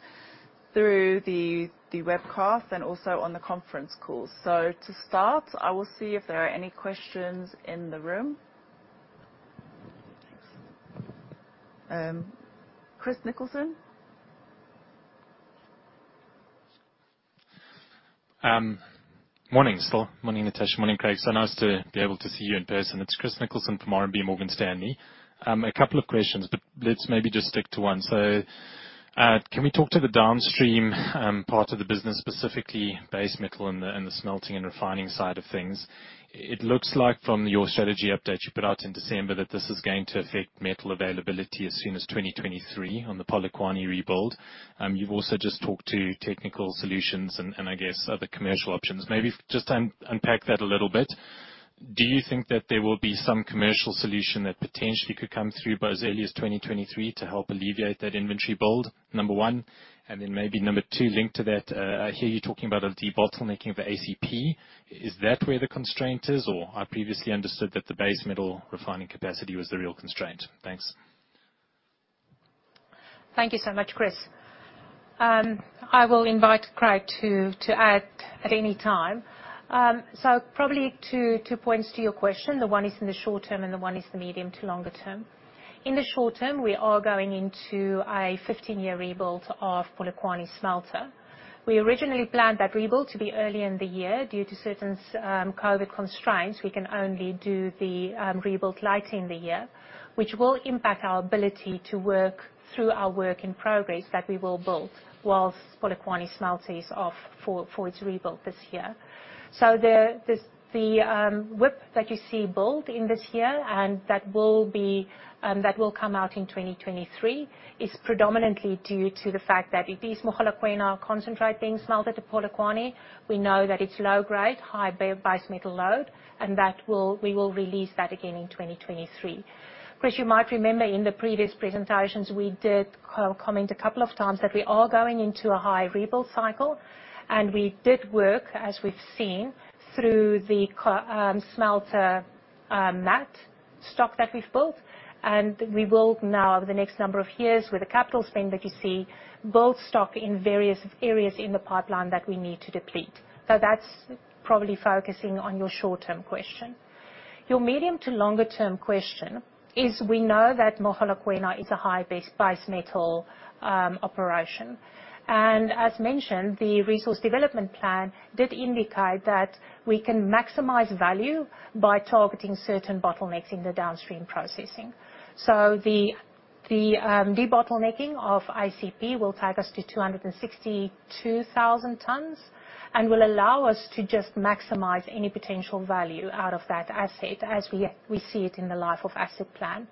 through the webcast and also on the conference call. To start, I will see if there are any questions in the room. Chris Nicholson? Morning, Stell. Morning, Natascha. Morning, Craig. Nice to be able to see you in person. It's Chris Nicholson from RMB Morgan Stanley. A couple of questions, but let's maybe just stick to one. Can we talk to the downstream part of the business, specifically base metal and the smelting and refining side of things? It looks like from your strategy update you put out in December that this is going to affect metal availability as soon as 2023 on the Polokwane rebuild. You've also just talked to technical solutions and I guess other commercial options. Maybe just unpack that a little bit. Do you think that there will be some commercial solution that potentially could come through Basel III's 2023 to help alleviate that inventory build? Number one. Maybe number two, linked to that, I hear you talking about a debottlenecking of ACP. Is that where the constraint is? Or I previously understood that the base metals refining capacity was the real constraint. Thanks. Thank you so much, Chris. I will invite Craig to add at any time. Probably two points to your question. The one is in the short term, and the one is the medium to longer term. In the short term, we are going into a 15-year rebuild of Polokwane smelter. We originally planned that rebuild to be early in the year. Due to certain COVID constraints, we can only do the rebuild late in the year, which will impact our ability to work through our work in progress that we will build while Polokwane smelter is off for its rebuild this year. The WIP that you see built in this year, and that will come out in 2023, is predominantly due to the fact that it is Mogalakwena concentrate being smelted at Polokwane. We know that it's low grade, high base metal load, and we will release that again in 2023. Chris, you might remember in the previous presentations we did comment a couple of times that we are going into a high rebuild cycle, and we did work, as we've seen, through the smelter matte stock that we've built. We build now over the next number of years with the capital spend that you see, build stock in various areas in the pipeline that we need to deplete. That's probably focusing on your short-term question. Your medium to longer-term question is we know that Mogalakwena is a high base metal operation. As mentioned, the resource development plan did indicate that we can maximize value by targeting certain bottlenecks in the downstream processing. The debottlenecking of ICP will take us to 262,000 tons and will allow us to just maximize any potential value out of that asset as we see it in the life of asset plan.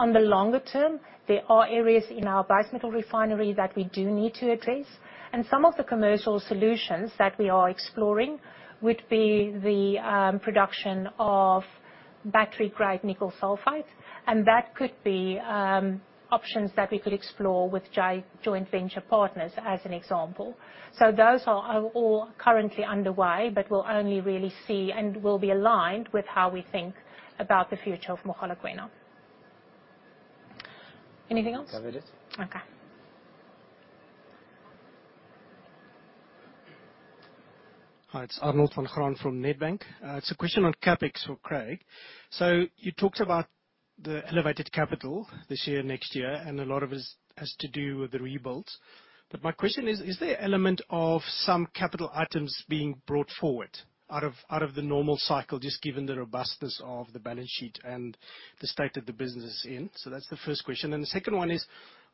On the longer term, there are areas in our base metal refinery that we do need to address, and some of the commercial solutions that we are exploring would be the production of battery-grade nickel sulfide, and that could be options that we could explore with joint venture partners, as an example. Those are all currently underway, but we'll only really see and will be aligned with how we think about the future of Mogalakwena. Anything else? Covered it. Okay. Hi, it's Arnold Van Graan from Nedbank. It's a question on CapEx for Craig. You talked about the elevated capital this year, next year, and a lot of it is, has to do with the rebuilds. My question is there element of some capital items being brought forward out of the normal cycle, just given the robustness of the balance sheet and the state that the business is in? That's the first question. The second one is,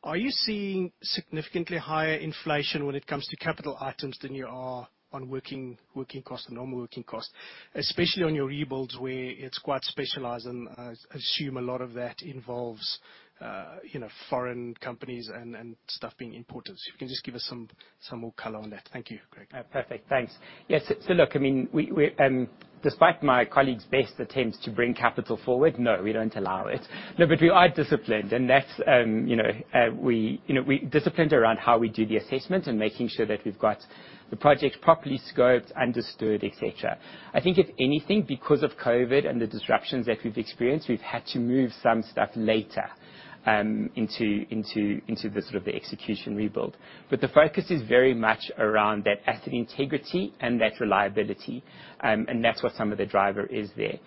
are you seeing significantly higher inflation when it comes to capital items than you are on working costs and normal working costs, especially on your rebuilds where it's quite specialized and, I assume a lot of that involves, you know, foreign companies and stuff being imported? If you can just give us some more color on that. Thank you, Craig. Perfect. Thanks. Yes, look, I mean, we despite my colleague's best attempts to bring capital forward, no, we don't allow it. No, we are disciplined, and that's you know, we you know, we're disciplined around how we do the assessment and making sure that we've got the project properly scoped, understood, et cetera. I think if anything, because of COVID and the disruptions that we've experienced, we've had to move some stuff later into the sort of the execution rebuild. The focus is very much around that asset integrity and that reliability, and that's what some of the driver is there.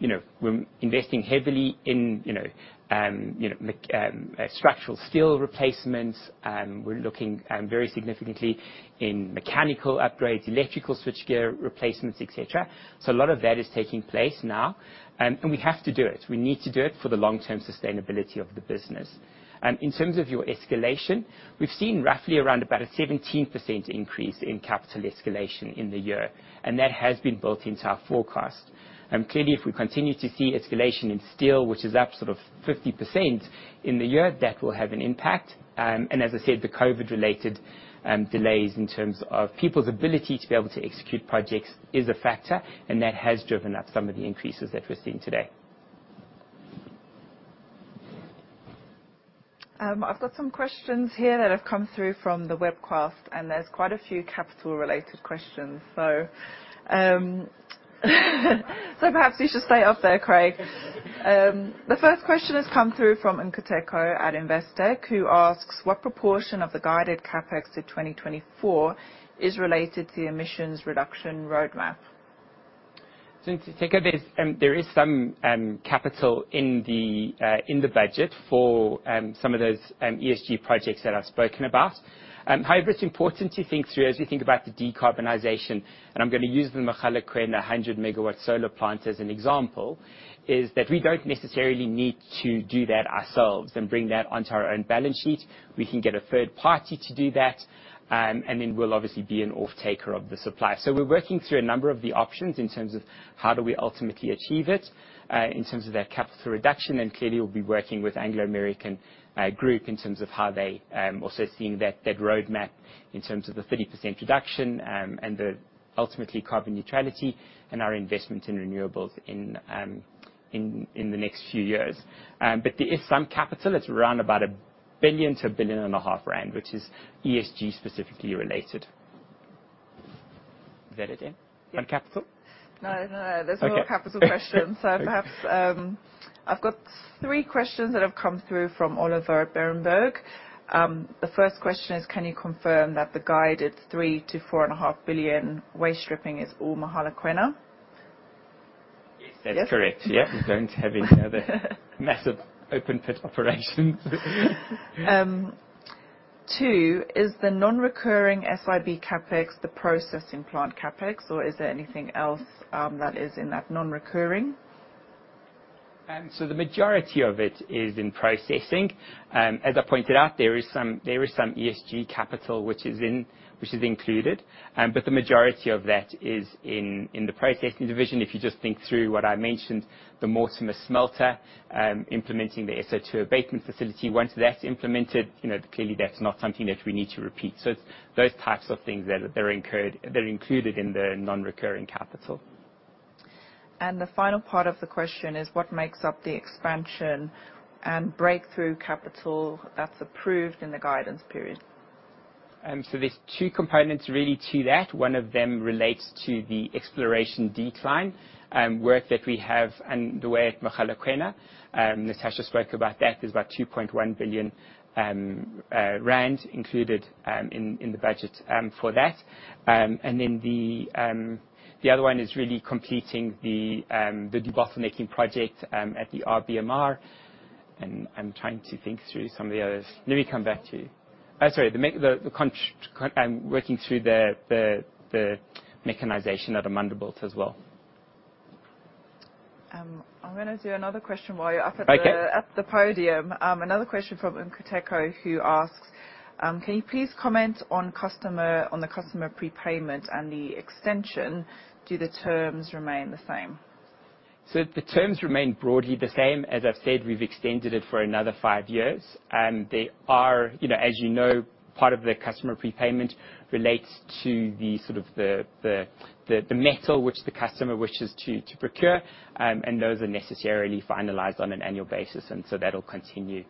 You know, we're investing heavily in you know, you know, structural steel replacements. We're looking very significantly in mechanical upgrades, electrical switchgear replacements, et cetera. A lot of that is taking place now. We have to do it. We need to do it for the long-term sustainability of the business. In terms of your escalation, we've seen roughly around about a 17% increase in capital escalation in the year, and that has been built into our forecast. Clearly, if we continue to see escalation in steel, which is up sort of 50% in the year, that will have an impact. As I said, the COVID-related delays in terms of people's ability to be able to execute projects is a factor, and that has driven up some of the increases that we're seeing today. I've got some questions here that have come through from the webcast, and there's quite a few capital-related questions. Perhaps you should stay up there, Craig. The first question has come through from Nkateko at Investec, who asks, "What proportion of the guided CapEx to 2024 is related to the emissions reduction roadmap? Nkateko, there is some capital in the budget for some of those ESG projects that I've spoken about. However, it's important to think through as we think about the decarbonization, and I'm gonna use the Mogalakwena 100-MW solar plant as an example, is that we don't necessarily need to do that ourselves and bring that onto our own balance sheet. We can get a third party to do that. Then we'll obviously be an off-taker of the supply. We're working through a number of the options in terms of how do we ultimately achieve it, in terms of that capital reduction. Clearly, we'll be working with Anglo American Group in terms of how they also seeing that roadmap in terms of the 30% reduction, and the ultimately carbon neutrality and our investment in renewables in the next few years. But there is some capital. It's around about 1 billion-1.5 billion, which is ESG specifically related. On capital? No, no. Okay. That's not a capital question. Perhaps I've got three questions that have come through from Oliver, Berenberg. The first question is, can you confirm that the guided 3 billion-4.5 billion waste stripping is all Mogalakwena? Yes, that's correct. Yes. We don't have any other massive open pit operations. Two, is the non-recurring SIB CapEx the processing plant CapEx, or is there anything else that is in that non-recurring? The majority of it is in processing. As I pointed out, there is some ESG capital which is included, but the majority of that is in the processing division. If you just think through what I mentioned, the Mortimer smelter implementing the SO2 abatement facility. Once that's implemented, you know, clearly that's not something that we need to repeat. It's those types of things that they're incurred, they're included in the non-recurring capital. The final part of the question is what makes up the expansion and breakthrough capital that's approved in the guidance period. There's two components really to that. One of them relates to the exploration decline work that we have underway at Mogalakwena. Natascha spoke about that. There's about 2.1 billion rand included in the budget for that. The other one is really completing the debottlenecking project at the RBMR. I'm trying to think through some of the others. Let me come back to you. I'm working through the mechanization at Amandelbult as well. I'm gonna do another question while you're up at the. Okay. At the podium. Another question from Nkateko, who asks, can you please comment on the customer prepayment and the extension? Do the terms remain the same? The terms remain broadly the same. As I've said, we've extended it for another five years. They are, you know, as you know, part of the customer prepayment relates to the sort of metal which the customer wishes to procure, and those are necessarily finalized on an annual basis, and so that'll continue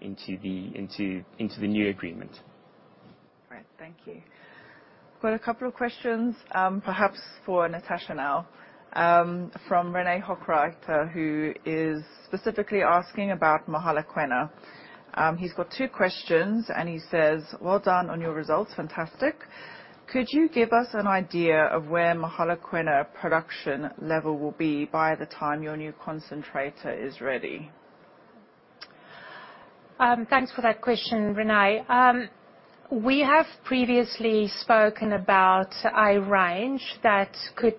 into the new agreement. Great. Thank you. Got a couple of questions, perhaps for Natascha now, from Rene Hochreiter, who is specifically asking about Mogalakwena. He's got two questions, and he says, "Well done on your results. Fantastic. Could you give us an idea of where Mogalakwena production level will be by the time your new concentrator is ready? Thanks for that question, Rene. We have previously spoken about a range that could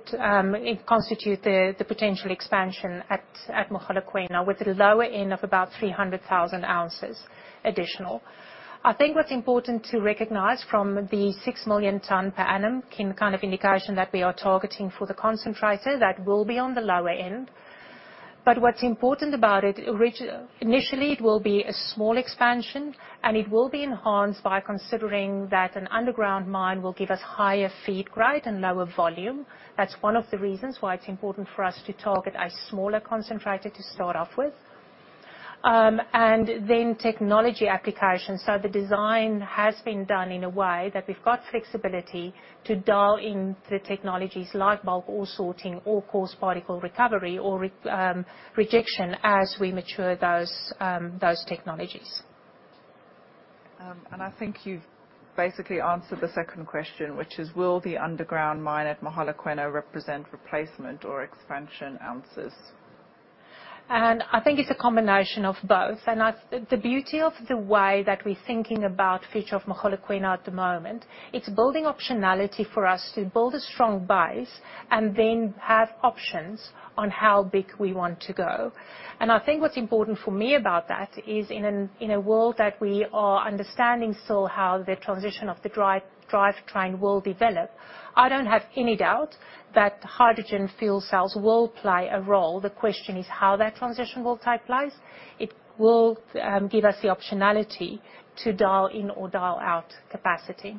constitute the potential expansion at Mogalakwena, with the lower end of about 300,000 ounces additional. I think what's important to recognize from the 6 million tons per annum kind of indication that we are targeting for the concentrator, that will be on the lower end. What's important about it, initially, it will be a small expansion, and it will be enhanced by considering that an underground mine will give us higher feed grade and lower volume. That's one of the reasons why it's important for us to target a smaller concentrator to start off with. Then technology application. The design has been done in a way that we've got flexibility to dial in the technologies like bulk ore sorting or coarse particle recovery or rejection as we mature those technologies. I think you've basically answered the second question, which is, will the underground mine at Mogalakwena represent replacement or expansion ounces? I think it's a combination of both. The beauty of the way that we're thinking about future of Mogalakwena at the moment, it's building optionality for us to build a strong base and then have options on how big we want to go. I think what's important for me about that is in a world that we are understanding still how the transition of the drivetrain will develop, I don't have any doubt that hydrogen fuel cells will play a role. The question is how that transition will take place. It will give us the optionality to dial in or dial out capacity.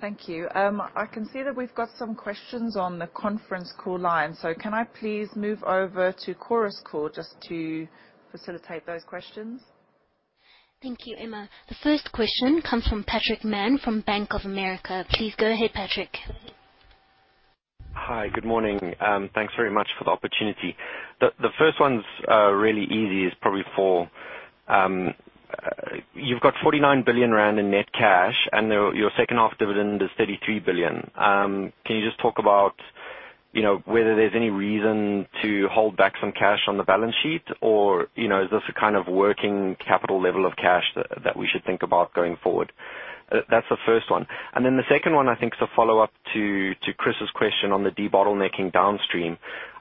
Thank you. I can see that we've got some questions on the conference call line, so can I please move over to Chorus Call just to facilitate those questions? Thank you, Emma. The first question comes from Patrick Mann from Bank of America. Please go ahead, Patrick. Hi. Good morning. Thanks very much for the opportunity. The first one's really easy. It's probably you've got 49 billion rand in net cash, and your second-half dividend is 33 billion. Can you just talk about, you know, whether there's any reason to hold back some cash on the balance sheet or, you know, is this a kind of working capital level of cash that we should think about going forward? That's the first one. Then the second one I think is a follow-up to Chris's question on the debottlenecking downstream.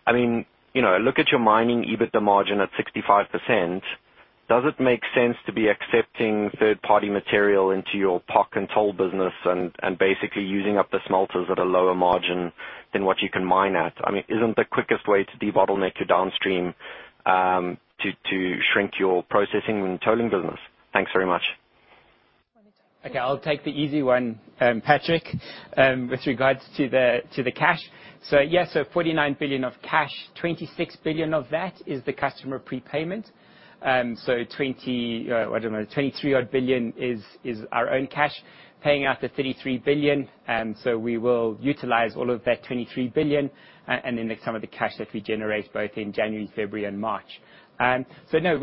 I mean, you know, look at your mining EBITDA margin at 65%. Does it make sense to be accepting third-party material into your POC and toll business and basically using up the smelters at a lower margin than what you can mine at? I mean, isn't the quickest way to debottleneck your downstream, to shrink your processing and tolling business? Thanks very much. Okay, I'll take the easy one, Patrick, with regards to the cash. Yes, 49 billion of cash, 26 billion of that is the customer prepayment. So twenty, what am I? 23-odd billion is our own cash, paying out the 33 billion, so we will utilize all of that 23 billion and then some of the cash that we generate both in January, February and March. No,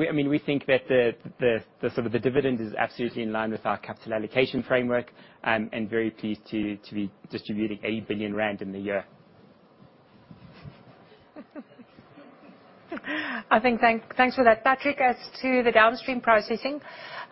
I mean, we think that the sort of the dividend is absolutely in line with our capital allocation framework and very pleased to be distributing 8 billion rand in the year. I think thanks for that, Patrick. As to the downstream processing,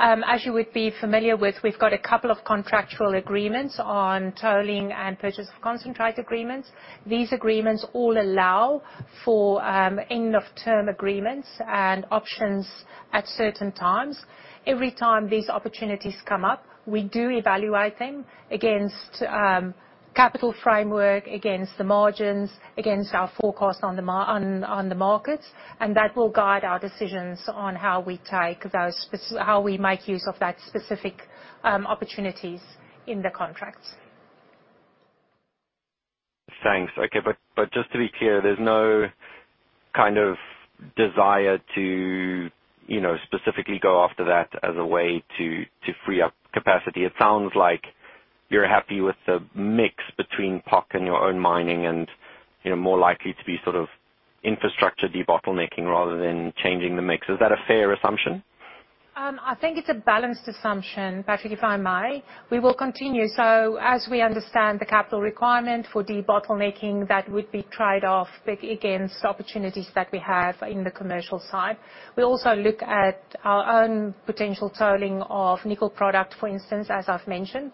as you would be familiar with, we've got a couple of contractual agreements on tolling and purchase of concentrate agreements. These agreements all allow for end of term agreements and options at certain times. Every time these opportunities come up, we do evaluate them against capital framework, against the margins, against our forecast on the markets, and that will guide our decisions on how we make use of that specific opportunities in the contracts. Thanks. Okay, just to be clear, there's no kind of desire to, you know, specifically go after that as a way to free up capacity. It sounds like you're happy with the mix between POC and your own mining and, you know, more likely to be sort of infrastructure debottlenecking rather than changing the mix. Is that a fair assumption? I think it's a balanced assumption, Patrick, if I may. We will continue. As we understand the capital requirement for debottlenecking, that would be traded off against opportunities that we have in the commercial side. We also look at our own potential tolling of nickel product, for instance, as I've mentioned.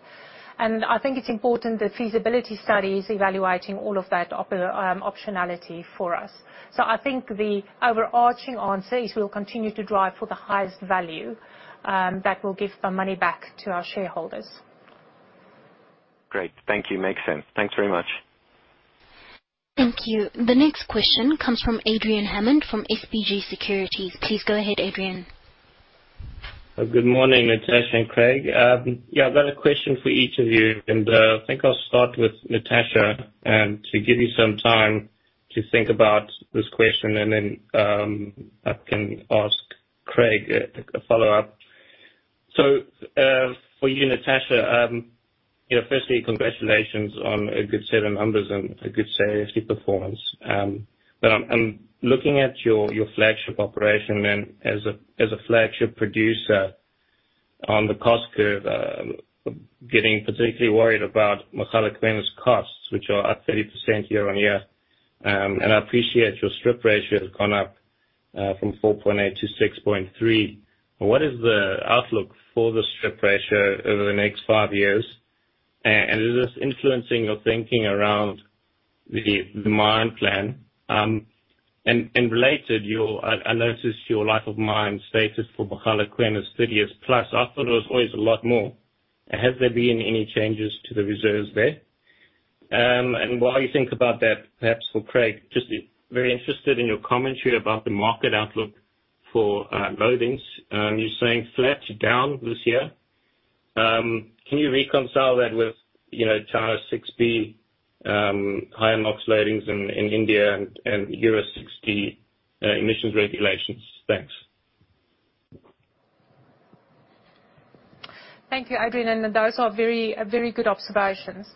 I think it's important the feasibility study is evaluating all of that optionality for us. I think the overarching answer is we'll continue to drive for the highest value, that will give the money back to our shareholders. Great. Thank you. Makes sense. Thanks very much. Thank you. The next question comes from Adrian Hammond from SBG Securities. Please go ahead, Adrian. Good morning, Natascha and Craig. I've got a question for each of you, and think I'll start with Natascha, to give you some time to think about this question and then I can ask Craig a follow-up. For you, Natascha, you know, firstly, congratulations on a good set of numbers and a good safety performance. I'm looking at your flagship operation and as a flagship producer on the cost curve, getting particularly worried about Mogalakwena's costs, which are up 30% year-on-year. I appreciate your strip ratio has gone up, from 4.8 to 6.3. What is the outlook for the strip ratio over the next five years? Is this influencing your thinking around the mine plan? I noticed your life of mine status for Mogalakwena is 30 years plus. I thought it was always a lot more. Has there been any changes to the reserves there? While you think about that, perhaps for Craig, just very interested in your commentary about the market outlook for loadings. You're saying flat to down this year. Can you reconcile that with, you know, China 6b, higher NOx loadings in India and Euro 6d emissions regulations? Thanks. Thank you, Adrian, and those are very, very good observations.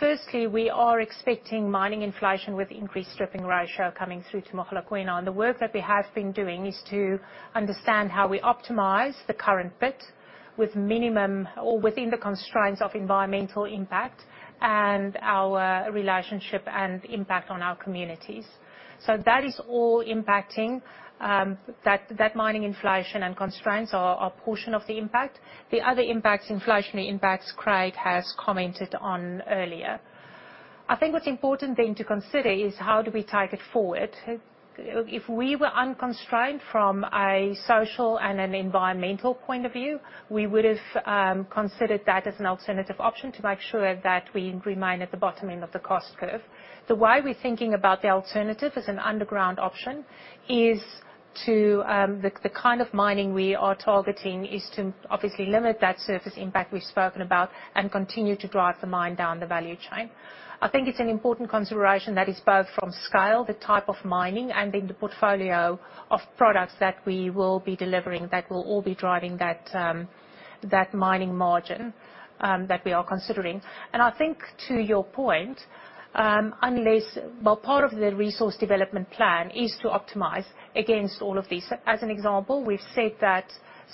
Firstly, we are expecting mining inflation with increased stripping ratio coming through to Mogalakwena. The work that we have been doing is to understand how we optimize the current bit with minimum or within the constraints of environmental impact and our relationship and impact on our communities. That is all impacting that mining inflation and constraints are a portion of the impact. The other impacts, inflationary impacts, Craig has commented on earlier. I think what's important then to consider is how do we take it forward. If we were unconstrained from a social and an environmental point of view, we would have considered that as an alternative option to make sure that we remain at the bottom end of the cost curve. The way we're thinking about the alternative as an underground option is to the kind of mining we are targeting is to obviously limit that surface impact we've spoken about and continue to drive the mine down the value chain. I think it's an important consideration that is both from scale, the type of mining and in the portfolio of products that we will be delivering that will all be driving that mining margin that we are considering. I think to your point. Well, part of the resource development plan is to optimize against all of these. As an example, we've said that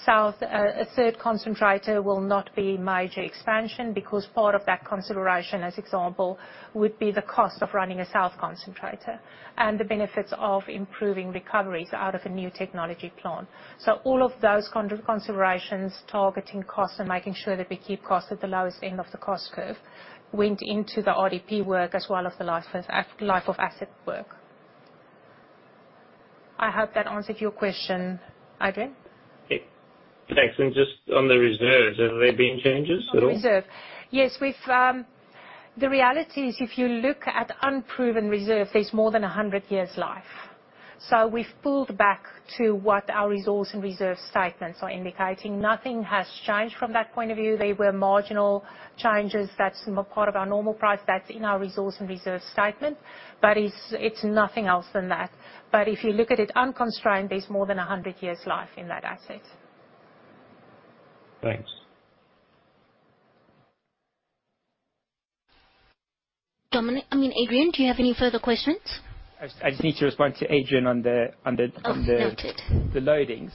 South a third concentrator will not be major expansion because part of that consideration, for example, would be the cost of running a South concentrator and the benefits of improving recoveries out of a new technology plant. All of those considerations, targeting costs and making sure that we keep costs at the lowest end of the cost curve, went into the RDP work as well as the life-of-asset work. I hope that answered your question, Adrian. Yeah. Thanks. Just on the reserves, have there been changes at all? On reserves. Yes, we've. The reality is, if you look at unproven reserves, there's more than 100 years life. We've pulled back to what our resource and reserve statements are indicating. Nothing has changed from that point of view. They were marginal changes. That's part of our normal price that's in our resource and reserve statement, but it's nothing else than that. If you look at it unconstrained, there's more than 100 years life in that asset. Thanks. Dominic, I mean, Adrian, do you have any further questions? I just need to respond to Adrian on the. Oh, noted. The loadings.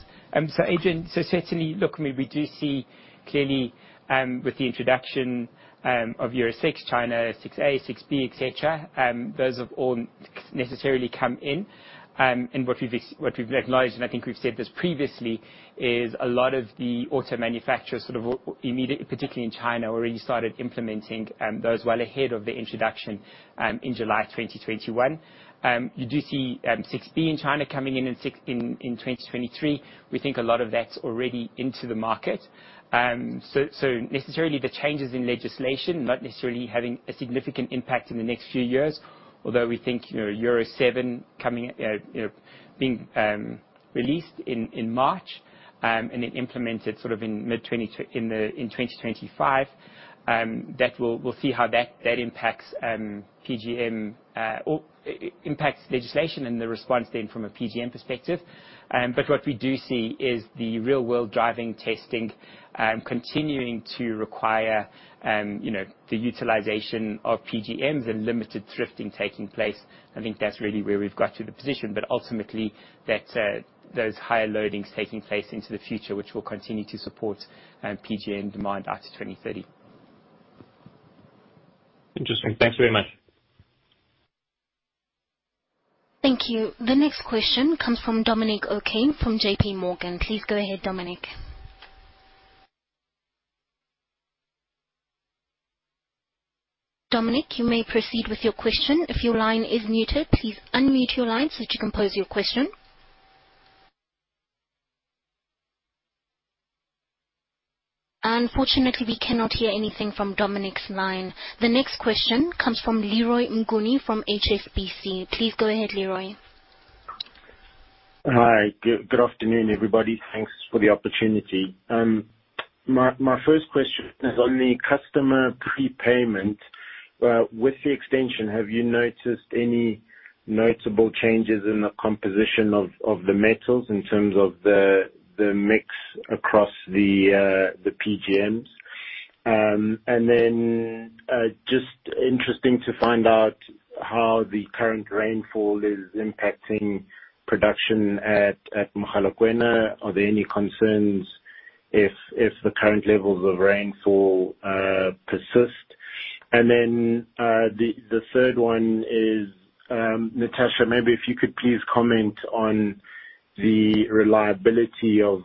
Adrian, certainly look, I mean, we do see clearly with the introduction of Euro 6, China 6a, 6b, et cetera, those have all necessarily come in. What we've recognized, and I think we've said this previously, is a lot of the auto manufacturers, sort of, particularly in China, already started implementing those well ahead of the introduction in July 2021. You do see 6b in China coming in in 2023. We think a lot of that's already into the market. Necessarily the changes in legislation not necessarily having a significant impact in the next few years, although we think, you know, Euro 7 coming, you know, being released in March and then implemented sort of in 2025, that we'll see how that impacts PGM or impact legislation and the response then from a PGM perspective. What we do see is the real-world driving testing continuing to require, you know, the utilization of PGMs and limited thrifting taking place. I think that's really where we've got to the position. Ultimately, those higher loadings taking place into the future, which will continue to support PGM demand out to 2030. Interesting. Thanks very much. Thank you. The next question comes from Dominic O'Kane from JP Morgan. Please go ahead, Dominic. Dominic, you may proceed with your question. If your line is muted, please unmute your line so that you can pose your question. Unfortunately, we cannot hear anything from Dominic's line. The next question comes from Leroy Mnguni from HSBC. Please go ahead, Leroy. Hi. Good afternoon, everybody. Thanks for the opportunity. My first question is on the customer prepayment. With the extension, have you noticed any notable changes in the composition of the metals in terms of the mix across the PGMs? Just interesting to find out how the current rainfall is impacting production at Mogalakwena. Are there any concerns if the current levels of rainfall persist? The third one is, Natascha, maybe if you could please comment on the reliability of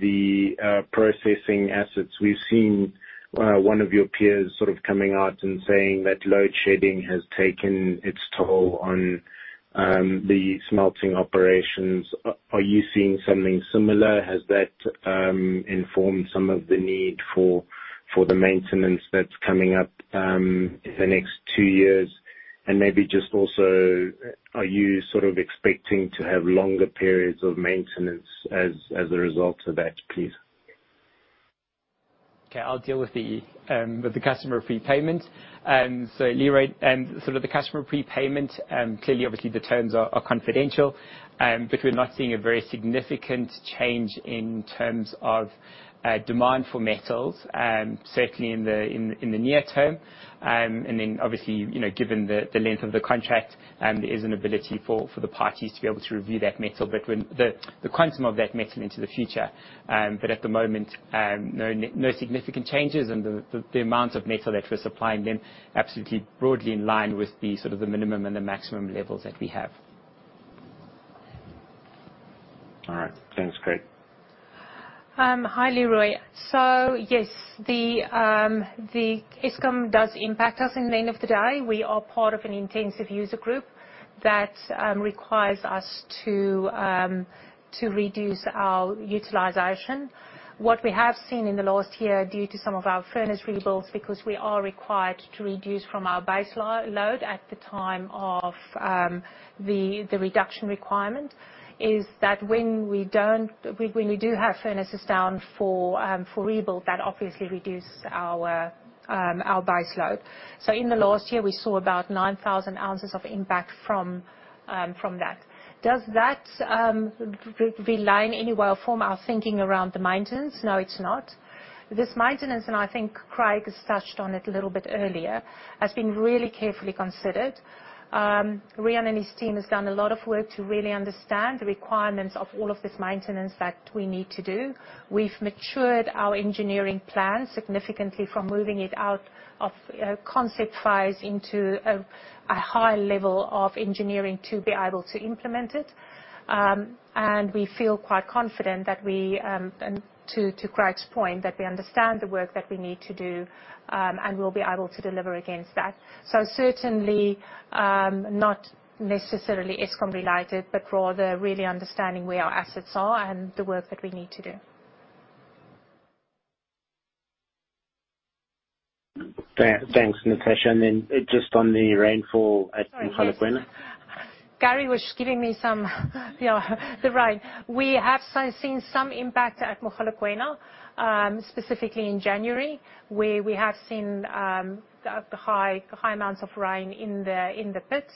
the processing assets. We've seen one of your peers sort of coming out and saying that load shedding has taken its toll on the smelting operations. Are you seeing something similar? Has that informed some of the need for the maintenance that's coming up in the next two years? Maybe just also, are you sort of expecting to have longer periods of maintenance as a result of that, please? Okay. I'll deal with the customer prepayment. Leroy, sort of the customer prepayment, clearly, obviously the terms are confidential, but we're not seeing a very significant change in terms of demand for metals, certainly in the near term. Obviously, you know, given the length of the contract, there is an ability for the parties to be able to review that metal. When the quantum of that metal into the future, at the moment, no significant changes and the amount of metal that we're supplying then absolutely broadly in line with the sort of the minimum and the maximum levels that we have. All right. Thanks, Craig. Hi, Leroy. Yes, the Eskom does impact us at the end of the day. We are part of an energy-intensive user group that requires us to reduce our utilization. What we have seen in the last year due to some of our furnace rebuilds, because we are required to reduce from our baseload at the time of the reduction requirement, is that when we don't, when we do have furnaces down for rebuild, that obviously reduce our baseload. In the last year, we saw about 9,000 ounces of impact from that. Does that realign in any way or form our thinking around the maintenance? No, it's not. This maintenance, and I think Craig has touched on it a little bit earlier, has been really carefully considered. Rian and his team has done a lot of work to really understand the requirements of all of this maintenance that we need to do. We've matured our engineering plan significantly from moving it out of, you know, concept phase into a high level of engineering to be able to implement it. We feel quite confident that we and to Craig's point, that we understand the work that we need to do, and we'll be able to deliver against that. Certainly, not necessarily Eskom related, but rather really understanding where our assets are and the work that we need to do. Thanks, Natascha. Just on the rainfall at Mogalakwena. Gary was just giving me some the rain. We have seen some impact at Mogalakwena, specifically in January, where we have seen the high amounts of rain in the pits.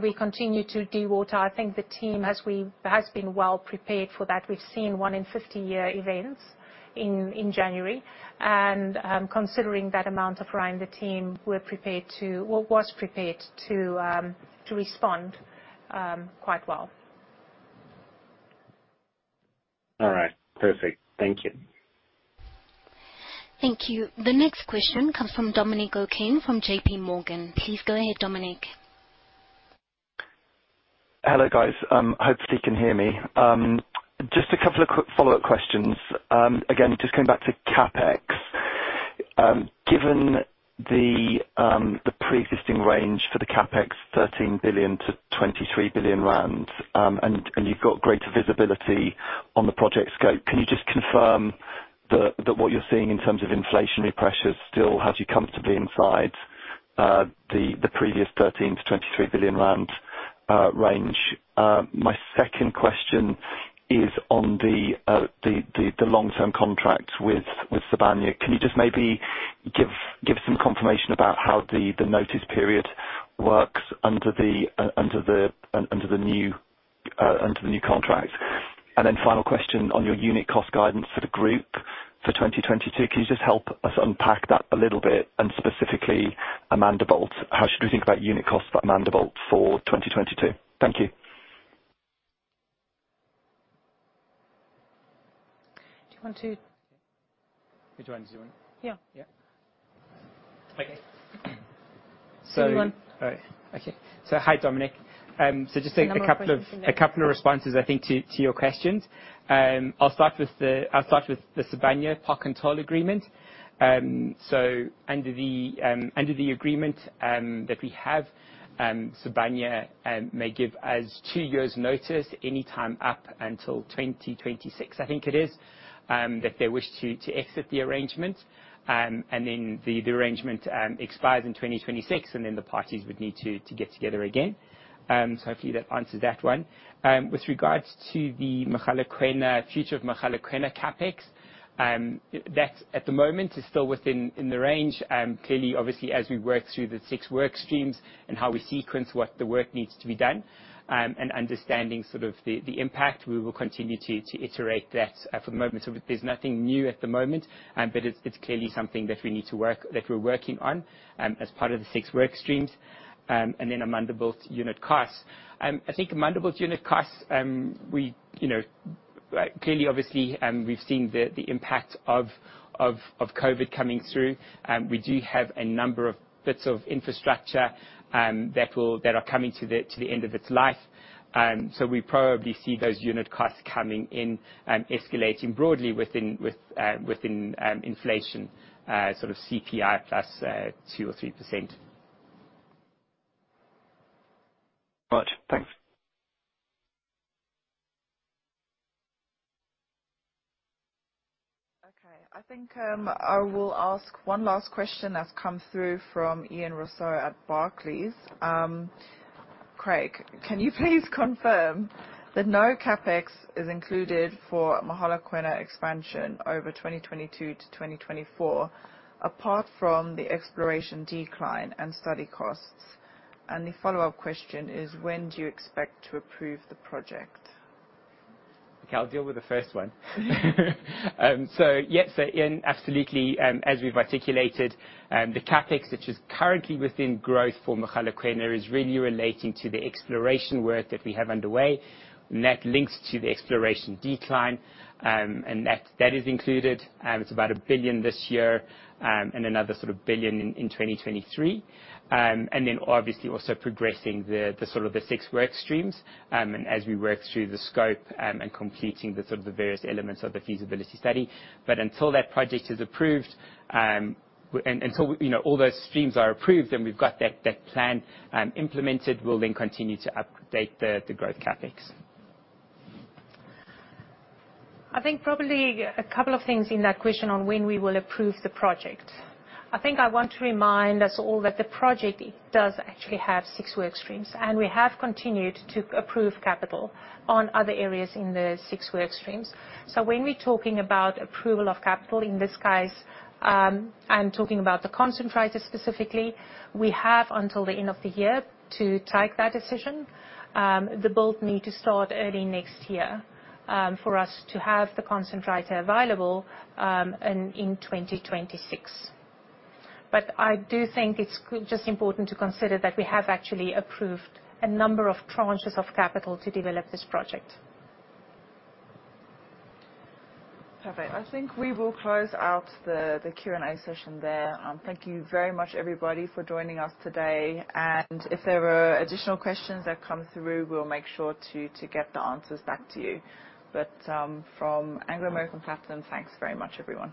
We continue to de-water. I think the team has been well-prepared for that. We've seen one-in-50-year events in January. Considering that amount of rain, the team was prepared to respond quite well. All right. Perfect. Thank you. Thank you. The next question comes from Dominic O'Kane from JP Morgan. Please go ahead, Dominic. Hello, guys. Hopefully you can hear me. Just a couple of quick follow-up questions. Again, just coming back to CapEx. Given the pre-existing range for the CapEx, 13 billion-23 billion rand, and you've got greater visibility on the project scope, can you just confirm that what you're seeing in terms of inflationary pressures still has you comfortably inside the previous 13 to 23 billion rand range? My second question is on the long-term contract with Sibanye-Stillwater. Can you just maybe give some confirmation about how the notice period works under the new contract? Final question on your unit cost guidance for the group for 2022. Can you just help us unpack that a little bit, and specifically Amandelbult, how should we think about unit costs at Amandelbult for 2022? Thank you. Do you want to- Which one do you want? Yeah. Yeah. Okay. Anyone. All right. Okay. Hi, Dominic. Just a couple of responses, I think, to your questions. I'll start with the Sibanye-Stillwater pack and toll agreement. Under the agreement that we have, Sibanye-Stillwater may give us two years' notice any time up until 2026, I think it is, if they wish to exit the arrangement. The arrangement expires in 2026, and then the parties would need to get together again. Hopefully that answers that one. With regards to the future of Mogalakwena CapEx, that at the moment is still within the range. Clearly, obviously, as we work through the six work streams and how we sequence what the work needs to be done, and understanding sort of the impact, we will continue to iterate that, for the moment. There's nothing new at the moment, but it's clearly something that we're working on as part of the six work streams. Amandelbult unit costs. I think, you know, clearly, obviously, we've seen the impact of COVID coming through. We do have a number of bits of infrastructure that are coming to the end of its life. We probably see those unit costs coming in escalating broadly within inflation, sort of CPI +2% or 3%. Gotcha. Thanks. Okay. I think I will ask one last question that's come through from Ian Rossouw at Barclays. Craig, can you please confirm that no CapEx is included for Mogalakwena expansion over 2022-2024, apart from the exploration decline and study costs? And the follow-up question is, when do you expect to approve the project? Okay, I'll deal with the first one. Yes, Ian, absolutely. As we've articulated, the CapEx, which is currently within growth for Mogalakwena, is really relating to the exploration work that we have underway, and that links to the exploration decline. That is included. It's about 1 billion this year, and another sort of 1 billion in 2023. Then obviously also progressing the sort of the six work streams, and as we work through the scope, and completing the sort of the various elements of the feasibility study. Until that project is approved, and until, you know, all those streams are approved, and we've got that plan implemented, we'll then continue to update the growth CapEx. I think probably a couple of things in that question on when we will approve the project. I think I want to remind us all that the project does actually have six work streams, and we have continued to approve capital on other areas in the six work streams. When we're talking about approval of capital, in this case, I'm talking about the concentrator specifically. We have until the end of the year to take that decision. The build need to start early next year, for us to have the concentrator available, in 2026. I do think it's just important to consider that we have actually approved a number of tranches of capital to develop this project. Perfect. I think we will close out the Q&A session there. Thank you very much everybody for joining us today. If there are additional questions that come through, we'll make sure to get the answers back to you. From Anglo American Platinum, thanks very much, everyone.